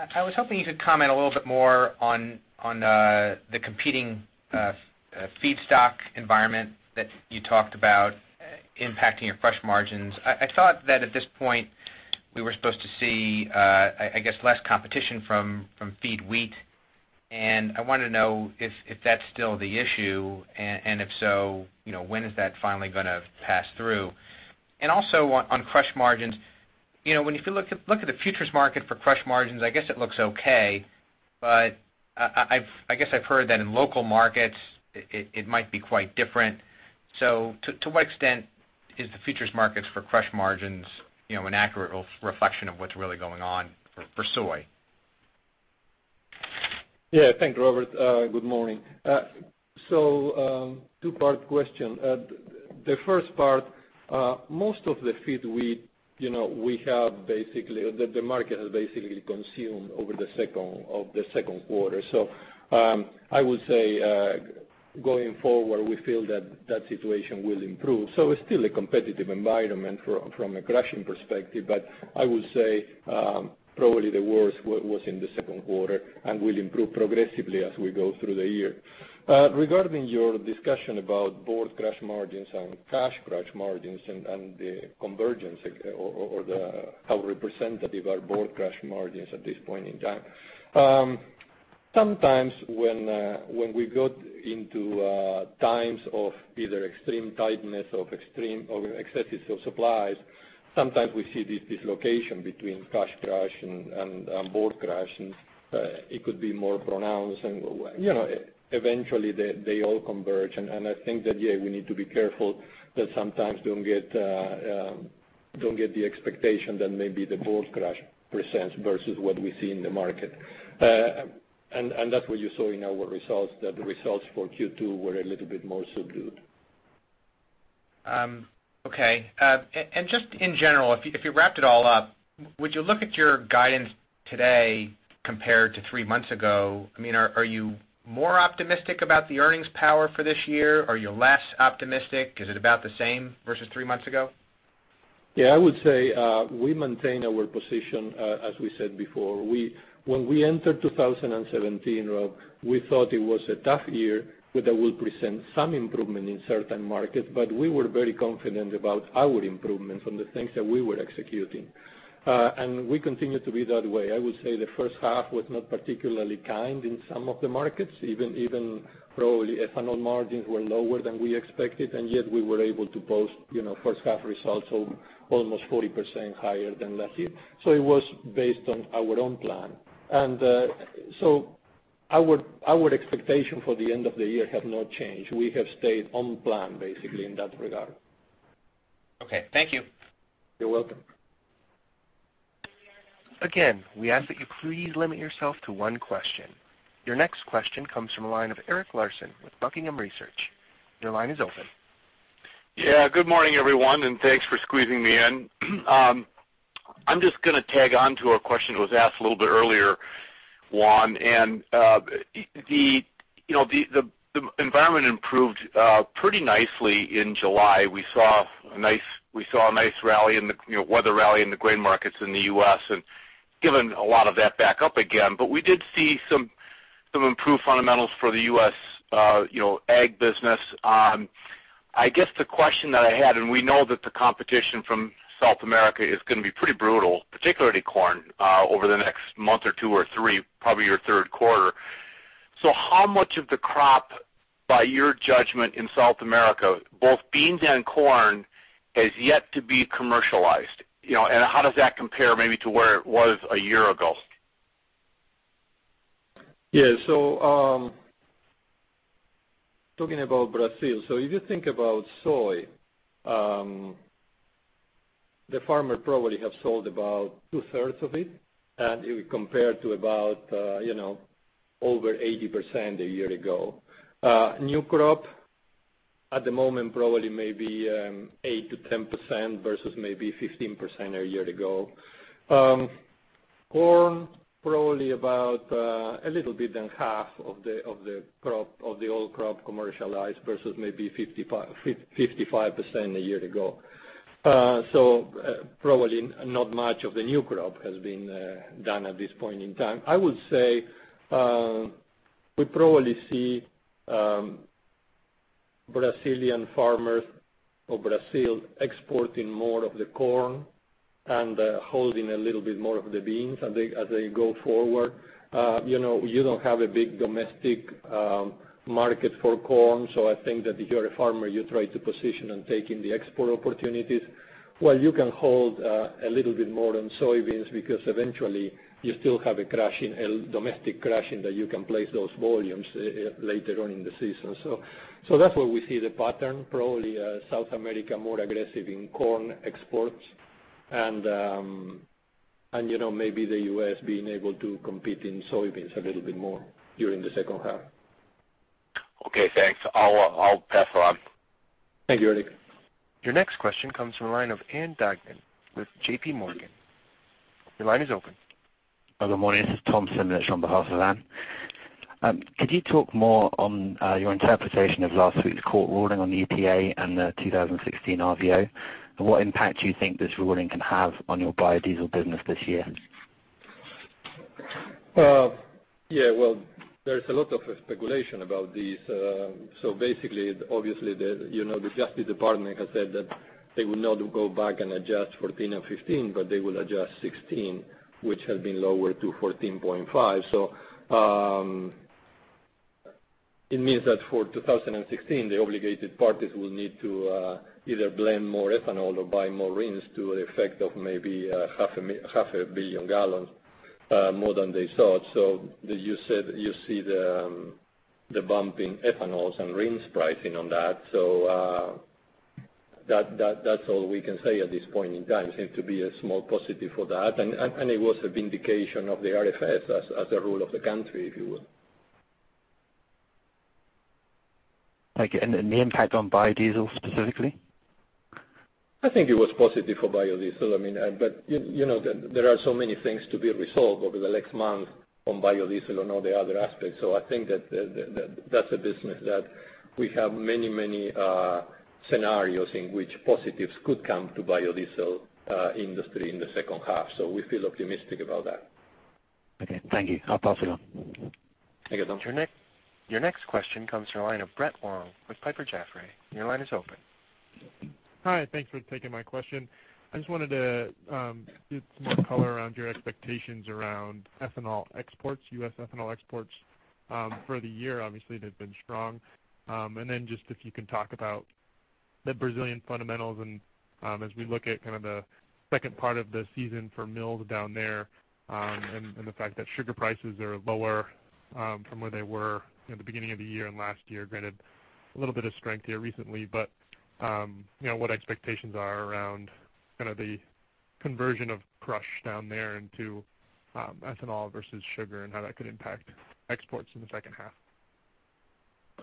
I was hoping you could comment a little bit more on the competing feedstock environment that you talked about impacting your crush margins. I thought that at this point we were supposed to see, I guess, less competition from feed wheat, and I wanted to know if that's still the issue, and if so, when is that finally going to pass through? Also on crush margins, when you look at the futures market for crush margins, I guess it looks okay, but I guess I've heard that in local markets it might be quite different. To what extent is the futures markets for crush margins an accurate reflection of what's really going on for soy? Yeah. Thank you, Robert. Good morning. Two-part question. The first part, most of the feed wheat the market has basically consumed of the second quarter. I would say, going forward, we feel that that situation will improve. It's still a competitive environment from a crushing perspective, but I would say probably the worst was in the second quarter and will improve progressively as we go through the year. Regarding your discussion about board crush margins and cash crush margins and the convergence or how representative are board crush margins at this point in time. Sometimes when we got into times of either extreme tightness of excessive supplies, sometimes we see this dislocation between cash crush and board crush, and it could be more pronounced. Eventually they all converge, and I think that, yeah, we need to be careful that sometimes don't get the expectation that maybe the board crush presents versus what we see in the market. That's what you saw in our results, that the results for Q2 were a little bit more subdued. Okay. Just in general, if you wrapped it all up, would you look at your guidance today compared to three months ago? Are you more optimistic about the earnings power for this year? Are you less optimistic? Is it about the same versus three months ago? Yeah, I would say we maintain our position, as we said before. When we entered 2017, Rob, we thought it was a tough year that would present some improvement in certain markets, but we were very confident about our improvements and the things that we were executing. We continue to be that way. I would say the first half was not particularly kind in some of the markets, even probably ethanol margins were lower than we expected, and yet we were able to post first half results of almost 40% higher than last year. It was based on our own plan. Our expectation for the end of the year have not changed. We have stayed on plan, basically, in that regard. Okay. Thank you. You're welcome. Again, we ask that you please limit yourself to one question. Your next question comes from a line of Eric Larson with Buckingham Research. Your line is open. Good morning, everyone. Thanks for squeezing me in. I'm just going to tag onto a question that was asked a little bit earlier, Juan. The environment improved pretty nicely in July. We saw a nice weather rally in the grain markets in the U.S., and given a lot of that back up again. We did see some improved fundamentals for the U.S. ag business. I guess the question that I had. We know that the competition from South America is going to be pretty brutal, particularly corn, over the next month or two or three, probably your third quarter. How much of the crop, by your judgment, in South America, both beans and corn, has yet to be commercialized? How does that compare maybe to where it was a year ago? Talking about Brazil. If you think about soy, the farmer probably have sold about two-thirds of it, and it would compare to about over 80% a year ago. New crop at the moment, probably maybe 8% to 10% versus maybe 15% a year ago. Corn, probably about a little bit than half of the old crop commercialized versus maybe 55% a year ago. Probably not much of the new crop has been done at this point in time. I would say, we probably see Brazilian farmers or Brazil exporting more of the corn and holding a little bit more of the beans as they go forward. You don't have a big domestic market for corn. I think that if you're a farmer, you try to position and take in the export opportunities, while you can hold a little bit more on soybeans, because eventually you still have a domestic crushing that you can place those volumes later on in the season. That's where we see the pattern, probably South America more aggressive in corn exports and maybe the U.S. being able to compete in soybeans a little bit more during the second half. Okay, thanks. I'll pass it on. Thank you, Eric. Your next question comes from the line of Ann Duignan with JPMorgan. Your line is open. Good morning. This is Tom Simmons on behalf of Ann. Could you talk more on your interpretation of last week's court ruling on the EPA and the 2016 RVO? What impact do you think this ruling can have on your biodiesel business this year? Yeah. Well, there's a lot of speculation about this. Basically, obviously, the Justice Department has said that they will not go back and adjust 2014 and 2015, but they will adjust 2016, which has been lowered to 14.5. It means that for 2016, the obligated parties will need to either blend more ethanol or buy more RINs to the effect of maybe a half a billion gallons more than they thought. You see the bump in ethanols and RINs pricing on that. That's all we can say at this point in time. Seemed to be a small positive for that, and it was a vindication of the RFS as the rule of the country, if you will. Okay. The impact on biodiesel specifically? I think it was positive for biodiesel. There are so many things to be resolved over the next month on biodiesel and all the other aspects. I think that's a business that we have many scenarios in which positives could come to biodiesel industry in the second half. We feel optimistic about that. Okay, thank you. I'll pass it on. Thank you, Tom. Your next question comes from the line of Brett Wong with Piper Jaffray. Your line is open. Hi, thanks for taking my question. I just wanted to get some more color around your expectations around ethanol exports, U.S. ethanol exports for the year. Obviously, they've been strong. Just if you can talk about the Brazilian fundamentals as we look at kind of the second part of the season for mills down there, and the fact that sugar prices are lower from where they were in the beginning of the year and last year, granted a little bit of strength here recently. What expectations are around kind of the conversion of crush down there into ethanol versus sugar, and how that could impact exports in the second half?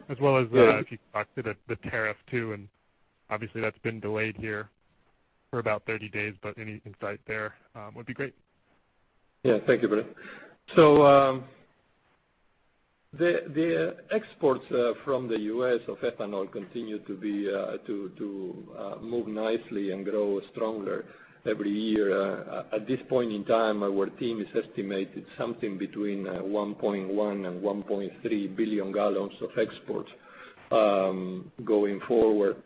As well as if you could talk to the tariff too, obviously that's been delayed here for about 30 days, but any insight there would be great. Yeah. Thank you, Brett. The exports from the U.S. of ethanol continue to move nicely and grow stronger every year. At this point in time, our team has estimated something between 1.1 and 1.3 billion gallons of exports going forward.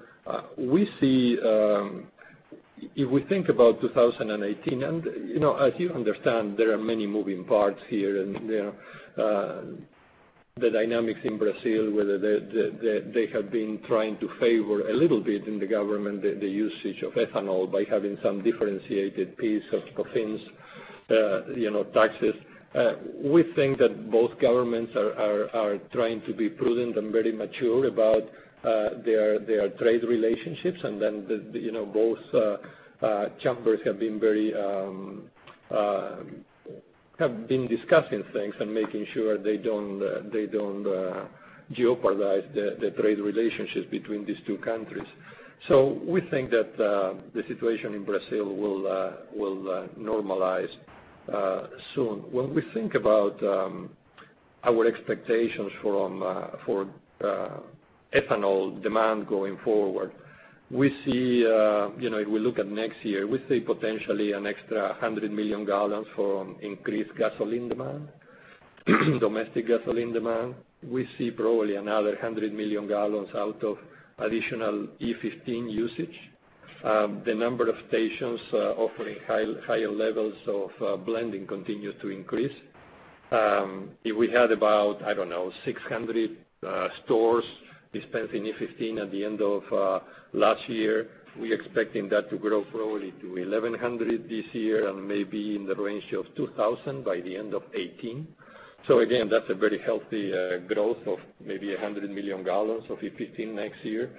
If we think about 2018, as you understand, there are many moving parts here, and the dynamics in Brazil, whether they have been trying to favor a little bit in the government, the usage of ethanol by having some differentiated piece of taxes. We think that both governments are trying to be prudent and very mature about their trade relationships, both chambers have been discussing things and making sure they don't jeopardize the trade relationships between these two countries. We think that the situation in Brazil will normalize soon. When we think about our expectations for ethanol demand going forward, if we look at next year, we see potentially an extra 100 million gallons from increased gasoline demand, domestic gasoline demand. We see probably another 100 million gallons out of additional E15 usage. The number of stations offering higher levels of blending continues to increase. If we had about, I don't know, 600 stores dispensing E15 at the end of last year, we're expecting that to grow probably to 1,100 this year and maybe in the range of 2,000 by the end of 2018. Again, that's a very healthy growth of maybe 100 million gallons of E15 next year.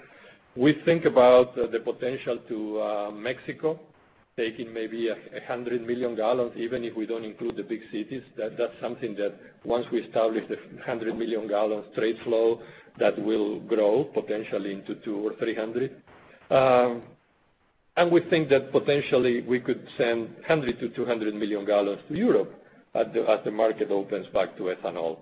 We think about the potential to Mexico taking maybe 100 million gallons, even if we don't include the big cities. That's something that once we establish the 100 million gallons trade flow, that will grow potentially into 200 or 300. We think that potentially we could send 100 to 200 million gallons to Europe as the market opens back to ethanol.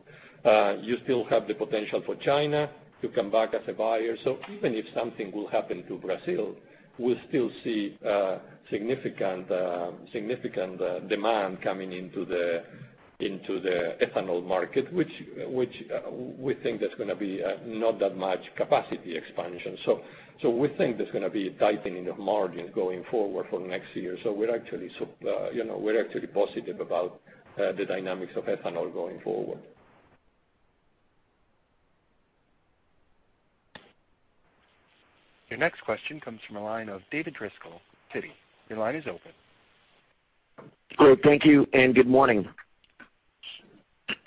You still have the potential for China to come back as a buyer. Even if something will happen to Brazil, we'll still see significant demand coming into the ethanol market, which we think there's going to be not that much capacity expansion. We think there's going to be a tightening of margins going forward for next year. We're actually positive about the dynamics of ethanol going forward. Your next question comes from the line of David Driscoll, Citi. Your line is open. Great. Thank you and good morning.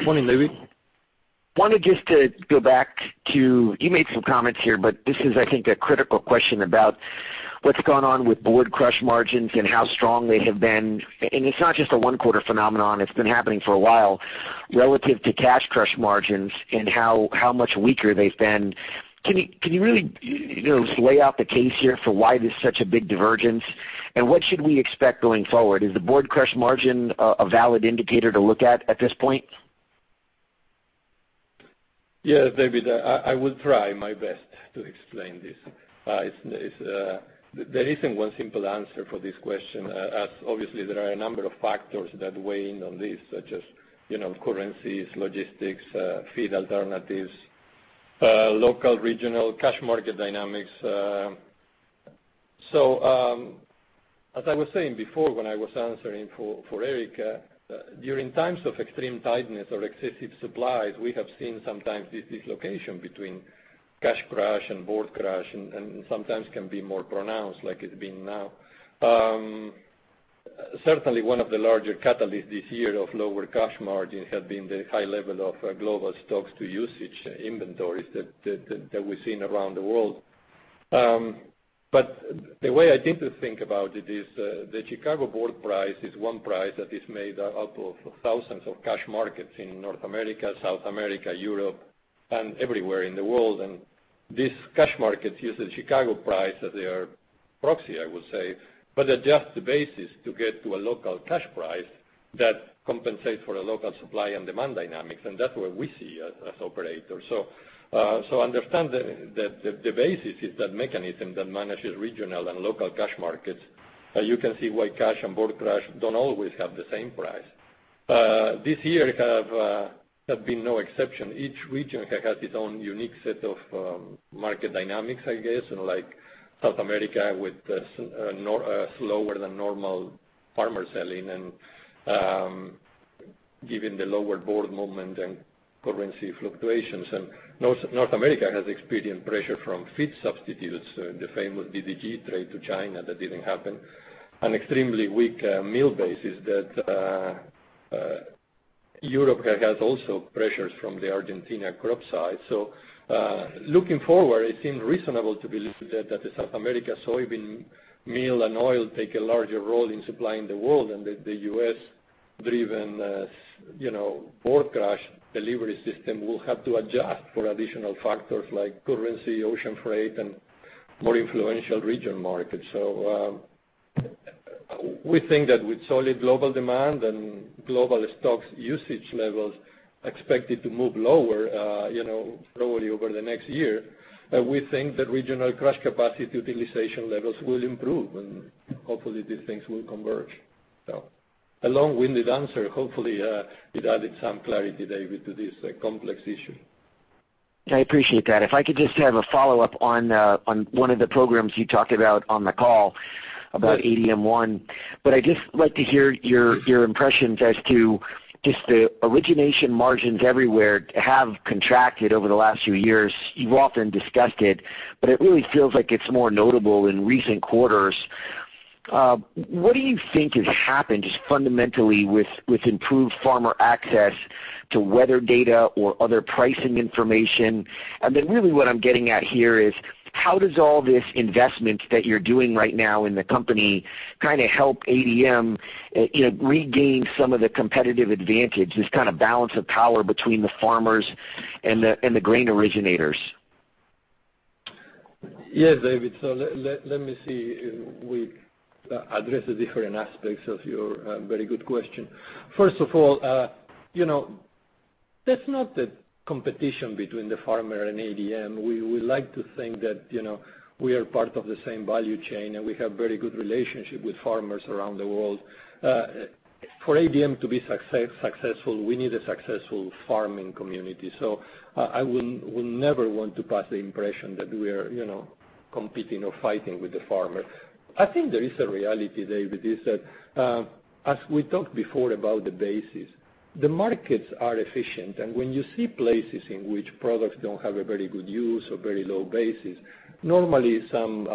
Morning, David. I wanted just to go back to, you made some comments here, this is, I think, a critical question about what's gone on with board crush margins and how strong they have been. It's not just a one-quarter phenomenon, it's been happening for a while, relative to cash crush margins and how much weaker they've been. Can you really lay out the case here for why there's such a big divergence? What should we expect going forward? Is the board crush margin a valid indicator to look at at this point? Yeah, David, I will try my best to explain this. There isn't one simple answer for this question, as obviously there are a number of factors that weigh in on this, such as currencies, logistics, feed alternatives, local regional cash market dynamics. As I was saying before when I was answering for Eric, during times of extreme tightness or excessive supplies, we have seen sometimes this dislocation between cash crush and board crush, and sometimes can be more pronounced like it's been now. Certainly one of the larger catalysts this year of lower cash margin has been the high level of global stocks to usage inventories that we've seen around the world. The way I think to think about it is the Chicago board price is one price that is made up of thousands of cash markets in North America, South America, Europe, and everywhere in the world. These cash markets use the Chicago price as their proxy, I would say. But adjust the basis to get to a local cash price that compensates for the local supply and demand dynamics, and that's what we see as operators. Understand that the basis is that mechanism that manages regional and local cash markets. You can see why cash and board crush don't always have the same price. This year has been no exception. Each region has its own unique set of market dynamics, I guess. Like South America with slower than normal farmer selling and given the lower board movement and currency fluctuations. North America has experienced pressure from feed substitutes, the famous DDGs trade to China that didn't happen, and extremely weak meal basis that Europe has also pressures from the Argentina crop side. Looking forward, it seems reasonable to believe that the South America soybean meal and oil take a larger role in supplying the world and that the U.S.-driven board crush delivery system will have to adjust for additional factors like currency, ocean freight, and more influential regional markets. We think that with solid global demand and global stocks usage levels expected to move lower probably over the next year, we think that regional crush capacity utilization levels will improve and hopefully these things will converge. A long-winded answer. Hopefully it added some clarity, David, to this complex issue. I appreciate that. If I could just have a follow-up on one of the programs you talked about on the call about One ADM. I'd just like to hear your impressions as to just the origination margins everywhere have contracted over the last few years. You've often discussed it, but it really feels like it's more notable in recent quarters. What do you think has happened, just fundamentally, with improved farmer access to weather data or other pricing information? Then really what I'm getting at here is, how does all this investment that you're doing right now in the company help ADM regain some of the competitive advantage, this kind of balance of power between the farmers and the grain originators? Yes, David. Let me see if we address the different aspects of your very good question. First of all, that's not the competition between the farmer and ADM. We like to think that we are part of the same value chain, and we have very good relationship with farmers around the world. For ADM to be successful, we need a successful farming community. I will never want to pass the impression that we are competing or fighting with the farmer. I think there is a reality, David, is that, as we talked before about the basis, the markets are efficient. When you see places in which products don't have a very good use or very low basis, normally some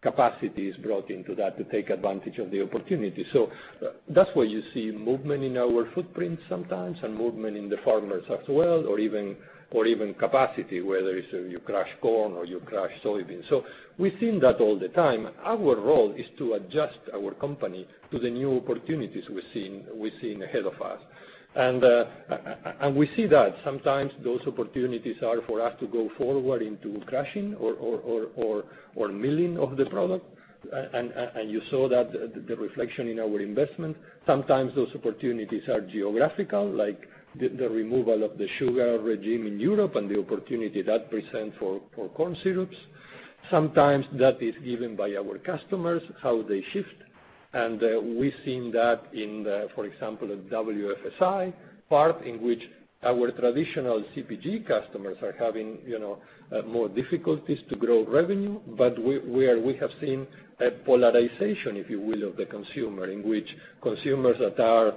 capacity is brought into that to take advantage of the opportunity. That's why you see movement in our footprint sometimes, and movement in the farmers as well, or even capacity, whether it's you crush corn or you crush soybeans. We've seen that all the time. Our role is to adjust our company to the new opportunities we're seeing ahead of us. We see that sometimes those opportunities are for us to go forward into crushing or milling of the product. You saw that the reflection in our investment. Sometimes those opportunities are geographical, like the removal of the sugar regime in Europe and the opportunity that presents for corn syrups. Sometimes that is given by our customers, how they shift. We've seen that in the, for example, WFSI part, in which our traditional CPG customers are having more difficulties to grow revenue. Where we have seen a polarization, if you will, of the consumer, in which consumers that are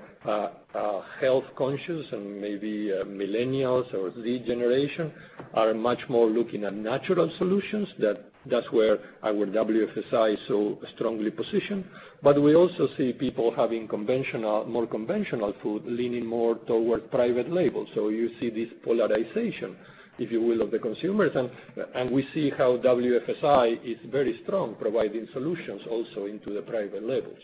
health conscious and maybe millennials or Z generation, are much more looking at natural solutions. That's where our WFSI is so strongly positioned. We also see people having more conventional food leaning more toward private label. You see this polarization, if you will, of the consumers. We see how WFSI is very strong providing solutions also into the private labels.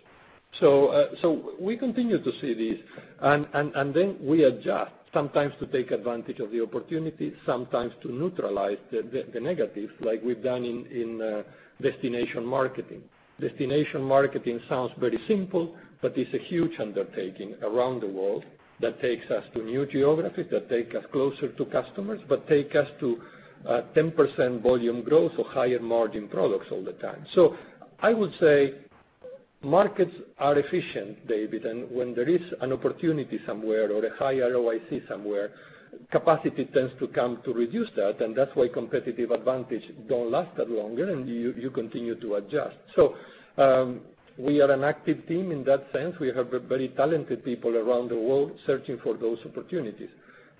We continue to see this, and then we adjust, sometimes to take advantage of the opportunity, sometimes to neutralize the negatives like we've done in destination marketing. Destination marketing sounds very simple, but it's a huge undertaking around the world that takes us to new geographies, that take us closer to customers, but take us to 10% volume growth or higher margin products all the time. I would say markets are efficient, David, and when there is an opportunity somewhere or a high ROIC somewhere, capacity tends to come to reduce that, and that's why competitive advantage don't last that longer, and you continue to adjust. We are an active team in that sense. We have very talented people around the world searching for those opportunities.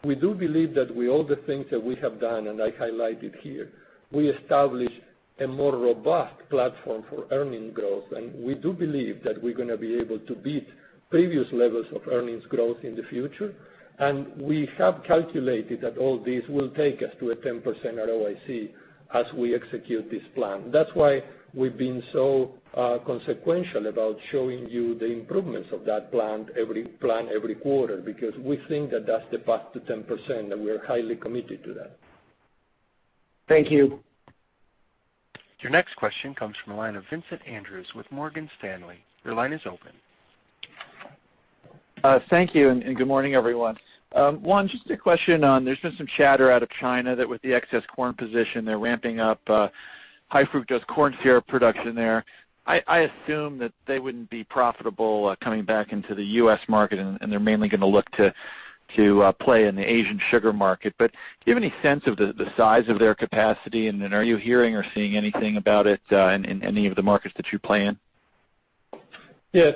We do believe that with all the things that we have done, and I highlighted here, we establish a more robust platform for earning growth. We do believe that we're going to be able to beat previous levels of earnings growth in the future. We have calculated that all this will take us to a 10% ROIC as we execute this plan. That's why we've been so consequential about showing you the improvements of that plan every quarter, because we think that that's the path to 10%, and we are highly committed to that. Thank you. Your next question comes from the line of Vincent Andrews with Morgan Stanley. Your line is open. Thank you, and good morning, everyone. Juan, just a question on, there's been some chatter out of China that with the excess corn position, they're ramping up high fructose corn syrup production there. I assume that they wouldn't be profitable coming back into the U.S. market, and they're mainly going to look to play in the Asian sugar market. Do you have any sense of the size of their capacity? Are you hearing or seeing anything about it in any of the markets that you play in?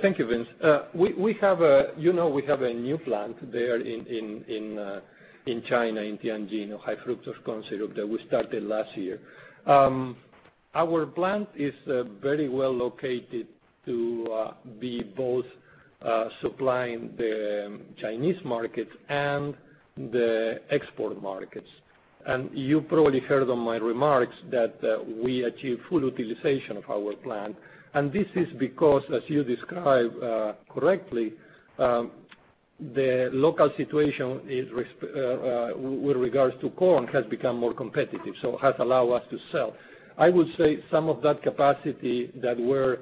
Thank you, Vince. We have a new plant there in China, in Tianjin, high fructose corn syrup that we started last year. Our plant is very well located to be both supplying the Chinese market and the export markets. You probably heard on my remarks that we achieve full utilization of our plant. This is because, as you described correctly, the local situation with regards to corn has become more competitive, so has allow us to sell. I would say some of that capacity that we're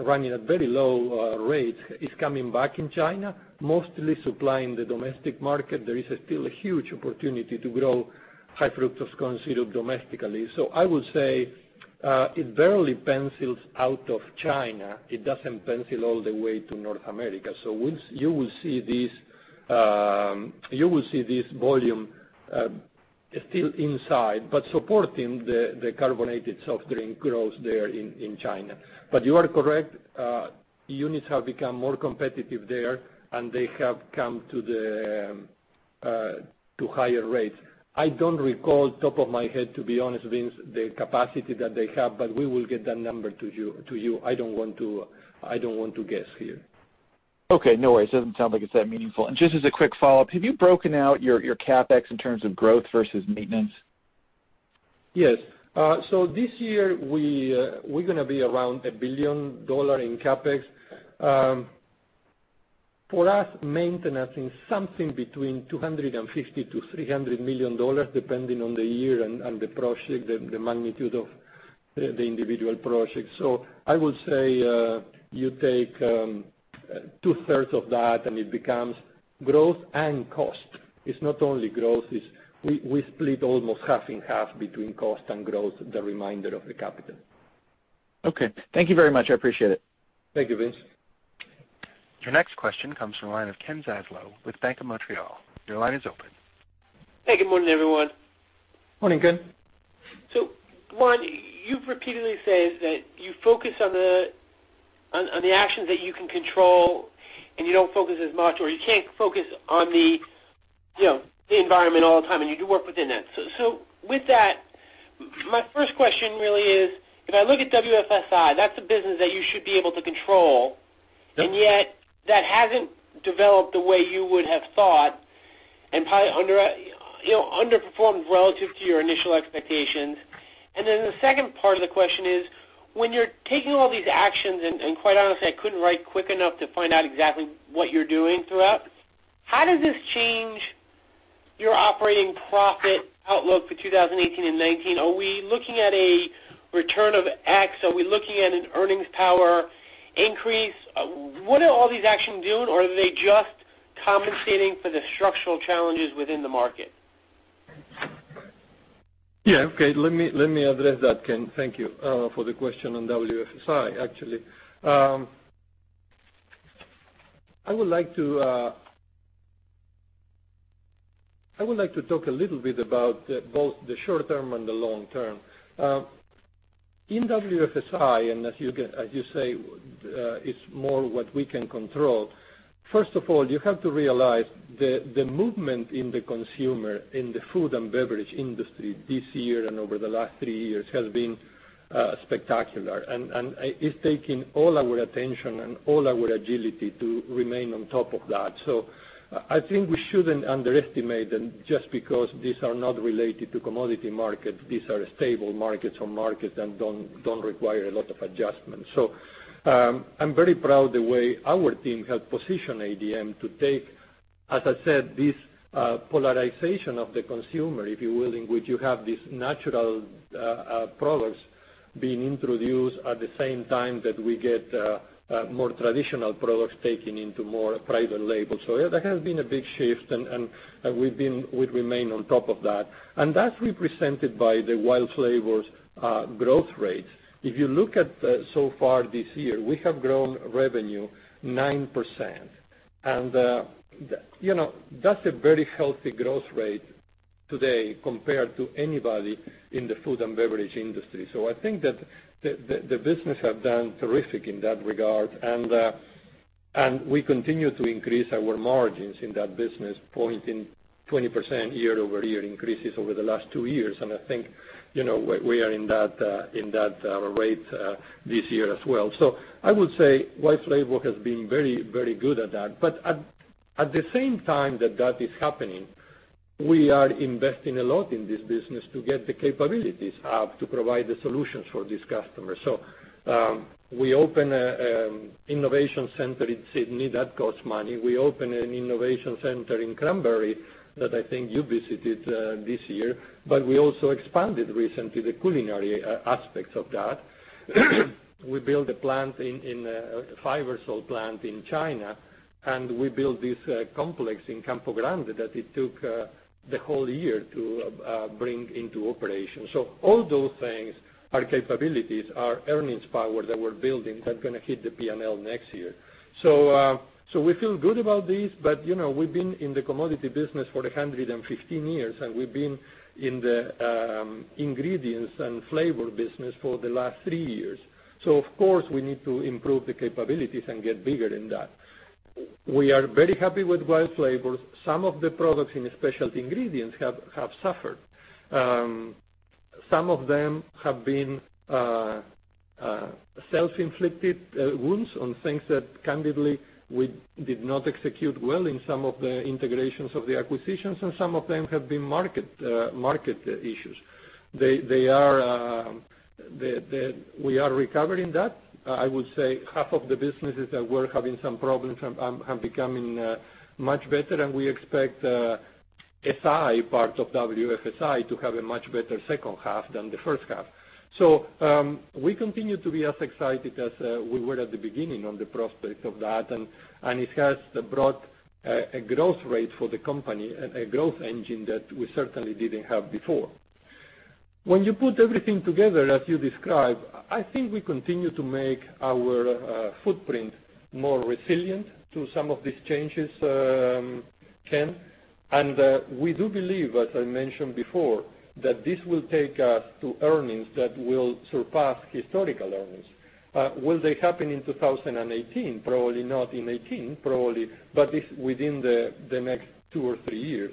running at very low rate is coming back in China, mostly supplying the domestic market. There is still a huge opportunity to grow high fructose corn syrup domestically. I would say, it barely pencils out of China. It doesn't pencil all the way to North America. You will see this volume still inside, but supporting the carbonated soft drink growth there in China. You are correct. Units have become more competitive there, and they have come to the higher rates. I don't recall top of my head, to be honest, Vince, the capacity that they have, we will get that number to you. I don't want to guess here. Okay, no worries. Doesn't sound like it's that meaningful. Just as a quick follow-up, have you broken out your CapEx in terms of growth versus maintenance? Yes. This year, we're going to be around $1 billion in CapEx. For us, maintenance is something between $250 million-$300 million, depending on the year and the magnitude of the individual projects. I would say, you take two thirds of that and it becomes growth and cost. It's not only growth. We split almost half and half between cost and growth, the remainder of the capital. Okay. Thank you very much. I appreciate it. Thank you, Vince. Your next question comes from the line of Ken Zaslow with Bank of Montreal. Your line is open. Hey, good morning, everyone. Morning, Ken. Juan, you've repeatedly said that you focus on the actions that you can control, you don't focus as much, or you can't focus on the environment all the time, you do work within that. With that, my first question really is, if I look at WFSI, that's a business that you should be able to control. Yep Yet that hasn't developed the way you would have thought and probably underperformed relative to your initial expectations. The second part of the question is, when you're taking all these actions, and quite honestly, I couldn't write quick enough to find out exactly what you're doing throughout, how does this change your operating profit outlook for 2018 and 2019? Are we looking at a return of X? Are we looking at an earnings power increase? What are all these actions doing? Or are they just compensating for the structural challenges within the market? Yeah. Okay. Let me address that, Ken. Thank you for the question on WFSI, actually. I would like to talk a little bit about both the short term and the long term. In WFSI, as you say, it's more what we can control. First of all, you have to realize the movement in the consumer in the food and beverage industry this year and over the last three years has been spectacular. It's taking all our attention and all our agility to remain on top of that. I think we shouldn't underestimate them just because these are not related to commodity markets. These are stable markets or markets that don't require a lot of adjustment. I'm very proud the way our team has positioned ADM to take, as I said, this polarization of the consumer, if you will, in which you have these natural products being introduced at the same time that we get more traditional products taken into more private labels. That has been a big shift, and we've remained on top of that. That's represented by the WILD Flavors growth rates. If you look at so far this year, we have grown revenue 9%. That's a very healthy growth rate today compared to anybody in the food and beverage industry. I think that the business have done terrific in that regard, and we continue to increase our margins in that business, pointing 20% year-over-year increases over the last two years. I think we are in that rate this year as well. I would say WILD Flavors has been very good at that. At the same time that that is happening, we are investing a lot in this business to get the capabilities up to provide the solutions for these customers. We open an innovation center in Sydney, that costs money. We open an innovation center in Cranbury that I think you visited this year. We also expanded recently the culinary aspects of that. We built a five-years-old plant in China, and we built this complex in Campo Grande that it took the whole year to bring into operation. All those things are capabilities, are earnings power that we're building, that's going to hit the P&L next year. We feel good about this, but we've been in the commodity business for 115 years, and we've been in the ingredients and flavor business for the last three years. Of course, we need to improve the capabilities and get bigger in that. We are very happy with WILD Flavors. Some of the products in the specialty ingredients have suffered. Some of them have been self-inflicted wounds on things that candidly we did not execute well in some of the integrations of the acquisitions, and some of them have been market issues. We are recovering that. I would say half of the businesses that were having some problems are becoming much better, and we expect SI, part of WFSI, to have a much better second half than the first half. We continue to be as excited as we were at the beginning on the prospect of that, and it has brought a growth rate for the company, a growth engine that we certainly didn't have before. When you put everything together as you describe, I think we continue to make our footprint more resilient to some of these changes, Ken. We do believe, as I mentioned before, that this will take us to earnings that will surpass historical earnings. Will they happen in 2018? Probably not in 2018, but within the next two or three years.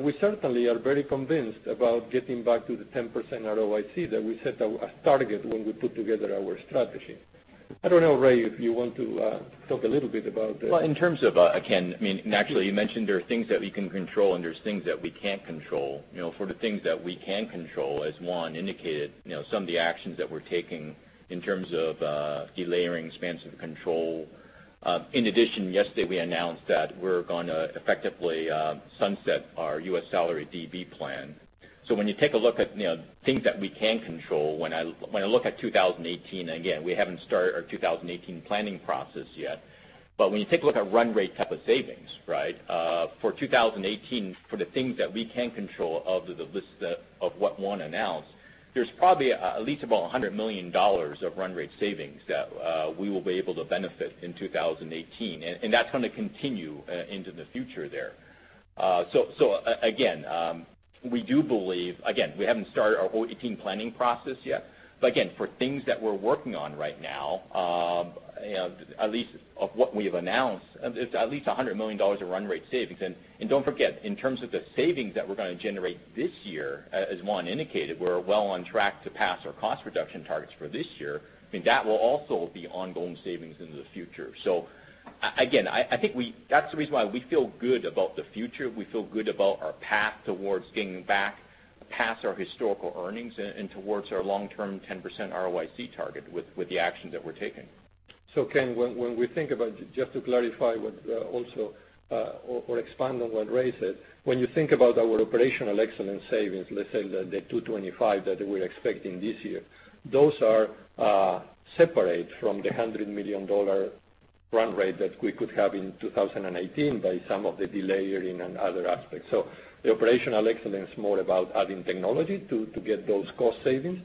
We certainly are very convinced about getting back to the 10% ROIC that we set as a target when we put together our strategy. I don't know, Ray, if you want to talk a little bit about that. Well, in terms of, Ken, naturally you mentioned there are things that we can control and there's things that we can't control. For the things that we can control, as Juan indicated, some of the actions that we're taking in terms of delayering spans of control. In addition, yesterday we announced that we're going to effectively sunset our U.S. salary DB plan. When you take a look at things that we can control, when I look at 2018, again, we haven't started our 2018 planning process yet. When you take a look at run rate type of savings, right? For 2018, for the things that we can control of what Juan announced, there's probably at least about $100 million of run rate savings that we will be able to benefit in 2018, and that's going to continue into the future there. Again, we haven't started our 2018 planning process yet, but again, for things that we're working on right now, at least of what we have announced, it's at least $100 million of run rate savings. Don't forget, in terms of the savings that we're going to generate this year, as Juan indicated, we're well on track to pass our cost reduction targets for this year, and that will also be ongoing savings into the future. Again, I think that's the reason why we feel good about the future. We feel good about our path towards getting back past our historical earnings and towards our long-term 10% ROIC target with the actions that we're taking. Ken, just to clarify or expand on what Ray said. When you think about our operational excellence savings, let's say the 225 that we're expecting this year, those are separate from the $100 million run rate that we could have in 2018 by some of the delayering and other aspects. The operational excellence is more about adding technology to get those cost savings.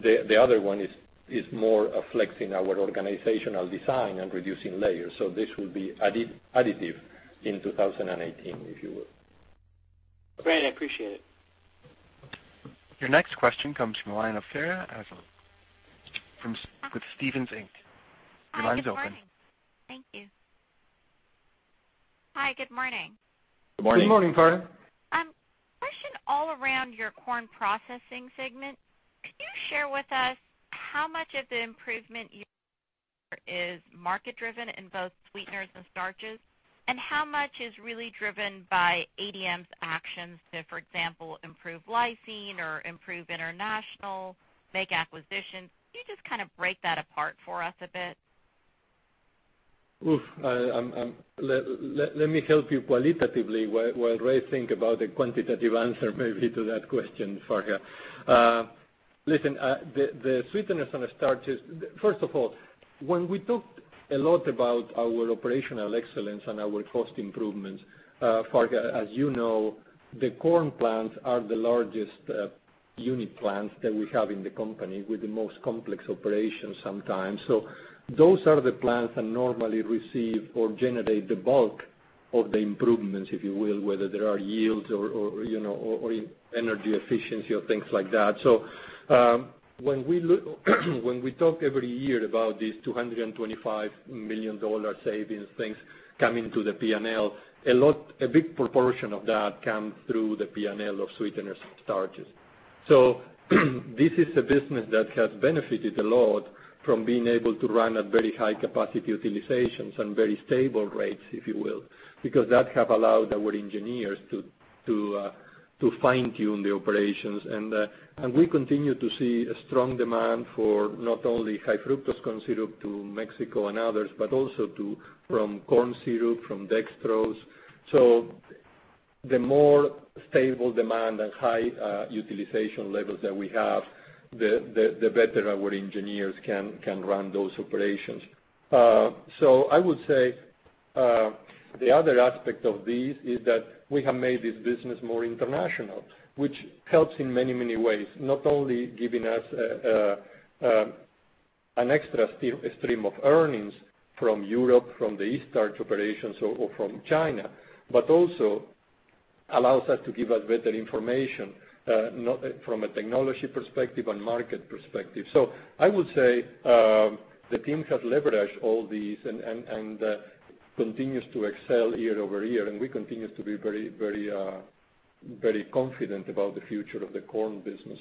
The other one is more flexing our organizational design and reducing layers. This will be additive in 2018, if you will. Great, I appreciate it. Your next question comes from the line of Farha Aslam with Stephens Inc. Your line's open. Hi, good morning. Thank you. Hi, good morning. Good morning. Good morning, Farha. Question all around your Corn Processing segment. Could you share with us how much of the improvement is market driven in both sweeteners and starches, and how much is really driven by ADM's actions to, for example, improve lysine or improve international, make acquisitions? Could you just break that apart for us a bit? Let me help you qualitatively while Ray think about the quantitative answer maybe to that question, Farha. Listen, the sweeteners and starches. First of all, when we talked a lot about our operational excellence and our cost improvements, Farha, as you know, the corn plants are the largest unit plants that we have in the company with the most complex operations sometimes. Those are the plants that normally receive or generate the bulk of the improvements, if you will, whether they are yields or energy efficiency or things like that. When we talk every year about these $225 million savings things coming to the P&L, a big proportion of that comes through the P&L of sweeteners and starches. This is a business that has benefited a lot from being able to run at very high capacity utilizations and very stable rates, if you will, because that have allowed our engineers to fine-tune the operations. We continue to see a strong demand for not only high fructose corn syrup to Mexico and others, but also from corn syrup, from dextrose. The more stable demand and high utilization levels that we have, the better our engineers can run those operations. I would say the other aspect of this is that we have made this business more international, which helps in many, many ways. Not only giving us an extra stream of earnings from Europe, from the Eaststarch C.V. operations or from China, but also allows us to give us better information from a technology perspective and market perspective. I would say the team has leveraged all these and continues to excel year-over-year. We continue to be very confident about the future of the corn business.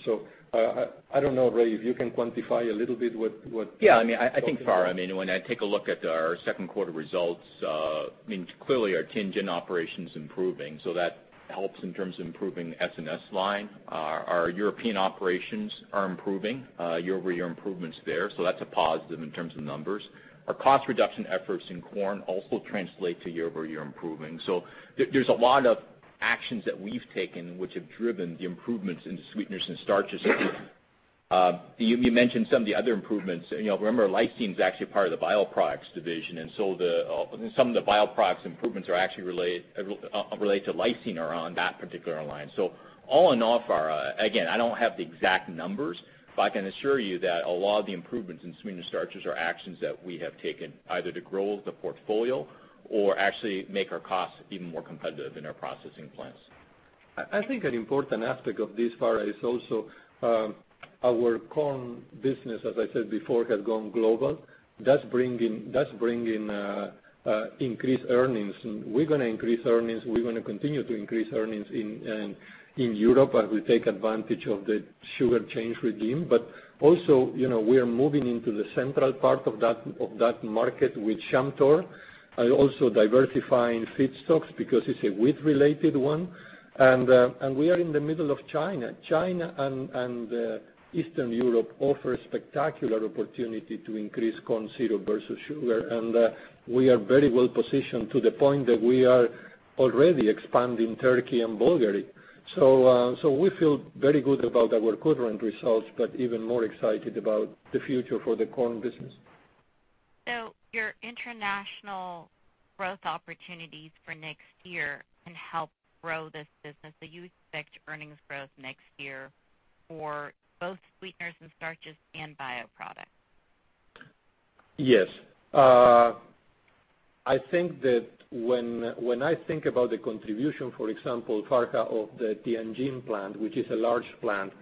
I don't know, Ray, if you can quantify a little bit what- Farha, when I take a look at our second quarter results, clearly our Tianjin operations improving. That helps in terms of improving the S&S line. Our European operations are improving, year-over-year improvements there. That's a positive in terms of numbers. Our cost reduction efforts in corn also translate to year-over-year improving. There's a lot of actions that we've taken which have driven the improvements into sweeteners and starches. You mentioned some of the other improvements. Remember, lysine is actually a part of the Bioproducts division, and so some of the Bioproducts improvements that relate to lysine are on that particular line. All in all, Farha, again, I don't have the exact numbers, but I can assure you that a lot of the improvements in sweetener starches are actions that we have taken either to grow the portfolio or actually make our costs even more competitive in our processing plants. I think an important aspect of this, Farha, is also our corn business, as I said before, has gone global. That's bringing increased earnings. We're going to increase earnings, we're going to continue to increase earnings in Europe as we take advantage of the sugar change regime. Also, we are moving into the central part of that market with Chamtor, and also diversifying feedstocks, because it's a wheat related one. We are in the middle of China. China and Eastern Europe offer a spectacular opportunity to increase corn syrup versus sugar, and we are very well positioned to the point that we are already expanding Turkey and Bulgaria. We feel very good about our current results, but even more excited about the future for the corn business. Your international growth opportunities for next year can help grow this business. You expect earnings growth next year for both sweeteners and starches, and Bioproducts? Yes. When I think about the contribution, for example, Farha, of the Tianjin plant, which is a large plant,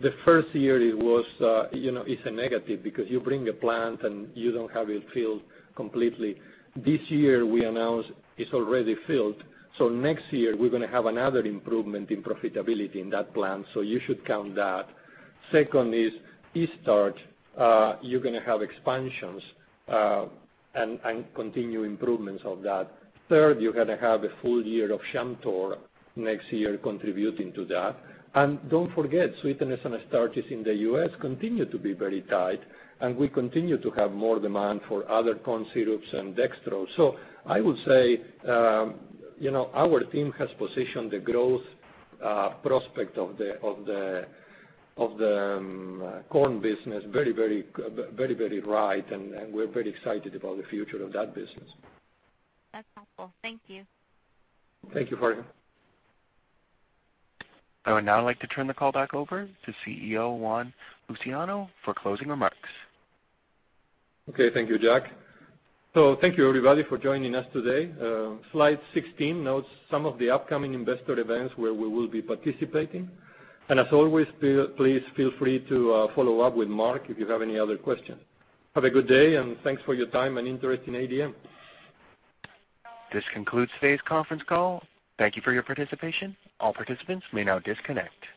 the first year it's a negative because you bring a plant and you don't have it filled completely. This year, we announced it's already filled. Next year, we're going to have another improvement in profitability in that plant, so you should count that. Second is Eaststarch C.V.. You're going to have expansions, and continue improvements of that. Third, you're going to have a full year of Chamtor next year contributing to that. Don't forget, sweeteners and starches in the U.S. continue to be very tight, and we continue to have more demand for other corn syrups and dextrose. I would say, our team has positioned the growth prospect of the corn business very, very right, and we're very excited about the future of that business. That's helpful. Thank you. Thank you, Farha. I would now like to turn the call back over to CEO Juan Luciano for closing remarks. Okay, thank you, Jack. Thank you, everybody, for joining us today. Slide 16 notes some of the upcoming investor events where we will be participating. As always, please feel free to follow up with Mark if you have any other questions. Have a good day, and thanks for your time and interest in ADM. This concludes today's conference call. Thank you for your participation. All participants may now disconnect.